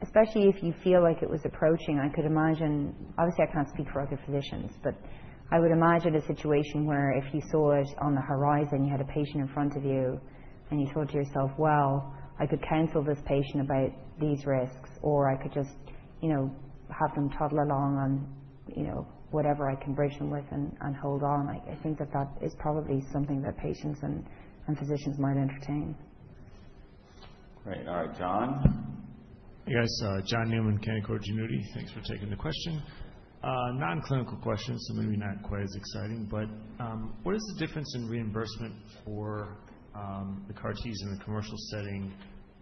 especially if you feel like it was approaching, I could imagine obviously, I can't speak for other physicians. But I would imagine a situation where if you saw it on the horizon, you had a patient in front of you, and you thought to yourself, "Well, I could counsel this patient about these risks, or I could just have them toddle along on whatever I can bridge them with and hold on." I think that that is probably something that patients and physicians might entertain. Great. All right. John. Hey, guys. John Newman, Canaccord Genuity. Thanks for taking the question. Non-clinical question, so maybe not quite as exciting. But what is the difference in reimbursement for the CAR-Ts in a commercial setting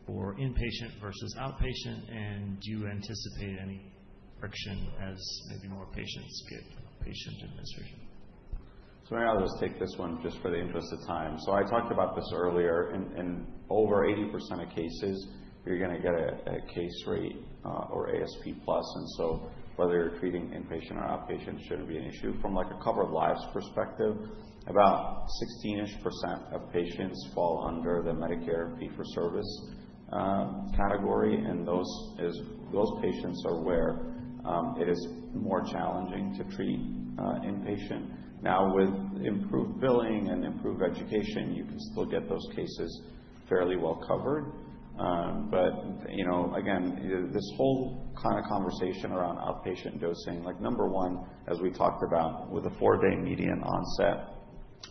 for inpatient versus outpatient? And do you anticipate any friction as maybe more patients get outpatient administration? So maybe I'll just take this one just for the interest of time. So I talked about this earlier. In over 80% of cases, you're going to get a case rate or ASP plus. And so whether you're treating inpatient or outpatient shouldn't be an issue. From a covered lives perspective, about 16-ish% of patients fall under the Medicare fee-for-service category. And those patients are where it is more challenging to treat inpatient. Now, with improved billing and improved education, you can still get those cases fairly well covered. But again, this whole kind of conversation around outpatient dosing, number one, as we talked about, with a four-day median onset,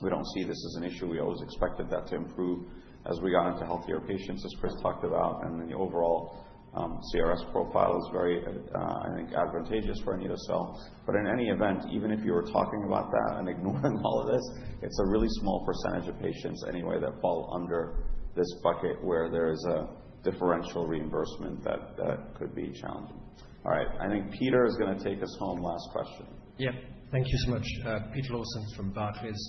we don't see this as an issue. We always expected that to improve as we got into healthier patients, as Chris talked about. And then the overall CRS profile is very, I think, advantageous for anito-cel. But in any event, even if you were talking about that and ignoring all of this, it's a really small percentage of patients anyway that fall under this bucket where there is a differential reimbursement that could be challenging. All right. I think Peter is going to take us home. Last question. Yeah. Thank you so much. Peter Lawson from Barclays.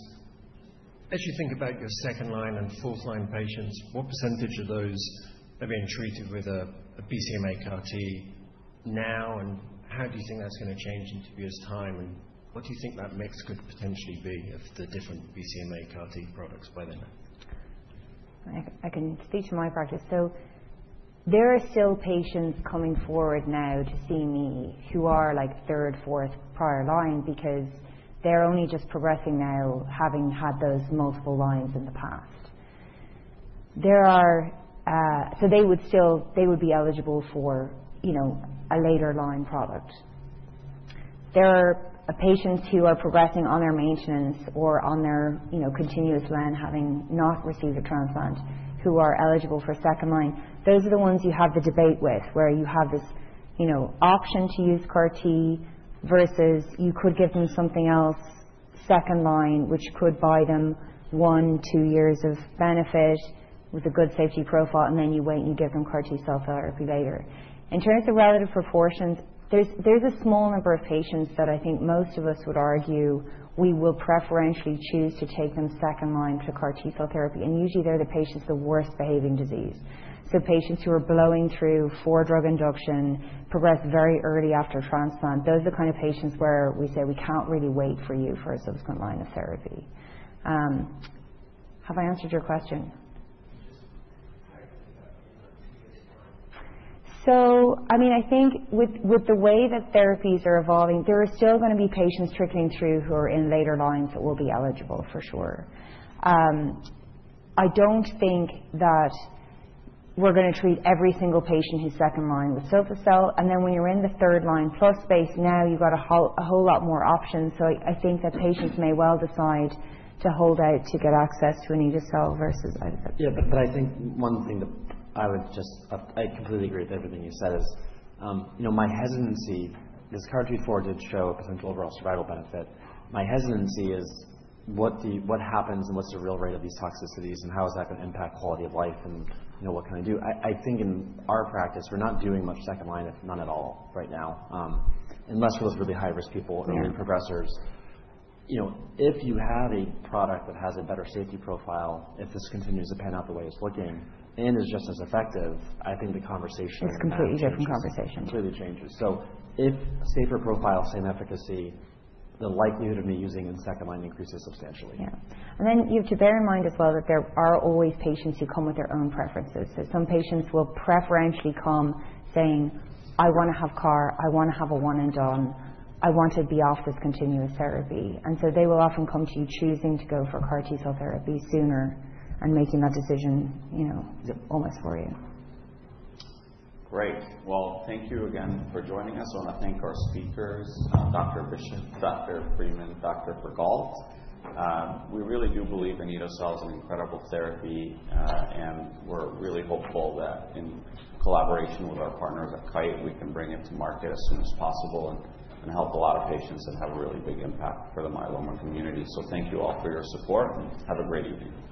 As you think about your second-line and fourth-line patients, what percentage of those have been treated with a BCMA CAR-T now? And how do you think that's going to change in two years' time? And what do you think that mix could potentially be of the different BCMA CAR-T products by then? I can speak to my practice. There are still patients coming forward now to see me who are third, fourth, prior line because they're only just progressing now, having had those multiple lines in the past. So they would be eligible for a later line product. There are patients who are progressing on their maintenance or on their continuous line, having not received a transplant, who are eligible for second line. Those are the ones you have the debate with, where you have this option to use CAR-T versus you could give them something else, second line, which could buy them one, two years of benefit with a good safety profile. And then you wait, and you give them CAR-T cell therapy later. In terms of relative proportions, there's a small number of patients that I think most of us would argue we will preferentially choose to take them second line to CAR-T cell therapy. Usually, they're the patients with the worst behaving disease. So patients who are blowing through four-drug induction, progress very early after transplant, those are the kind of patients where we say, "We can't really wait for you for a subsequent line of therapy." Have I answered your question? So I mean, I think with the way that therapies are evolving, there are still going to be patients trickling through who are in later lines that will be eligible for sure. I don't think that we're going to treat every single patient who's second line with Carvykti. And then when you're in the third-line plus space, now you've got a whole lot more options. So I think that patients may well decide to hold out to get access to anito-cel versus yeah. But I think one thing that I would just completely agree with everything you said is my hesitancy. Because CARTITUDE-4 did show a potential overall survival benefit. My hesitancy, what happens and what's the real rate of these toxicities and how is that going to impact quality of life and what can I do? I think in our practice, we're not doing much second line, if none at all, right now, unless we're with really high-risk people, early progressors. If you have a product that has a better safety profile, if this continues to pan out the way it's looking and is just as effective, I think the conversation is going to change. It's a completely different conversation. Completely changes. So if safer profile, same efficacy, the likelihood of me using in second line increases substantially. Yeah. And then you have to bear in mind as well that there are always patients who come with their own preferences. So some patients will preferentially come saying, "I want to have CAR. I want to have a one-and-done. I want to be off this continuous therapy." And so they will often come to you choosing to go for CAR-T cell therapy sooner and making that decision almost for you. Great. Well, thank you again for joining us. I want to thank our speakers, Dr. Bishop, Dr. Freeman, Dr. Frigault. We really do believe in anito-cel as an incredible therapy. And we're really hopeful that in collaboration with our partners at Kite, we can bring it to market as soon as possible and help a lot of patients that have a really big impact for the myeloma community. So thank you all for your support. Have a great evening.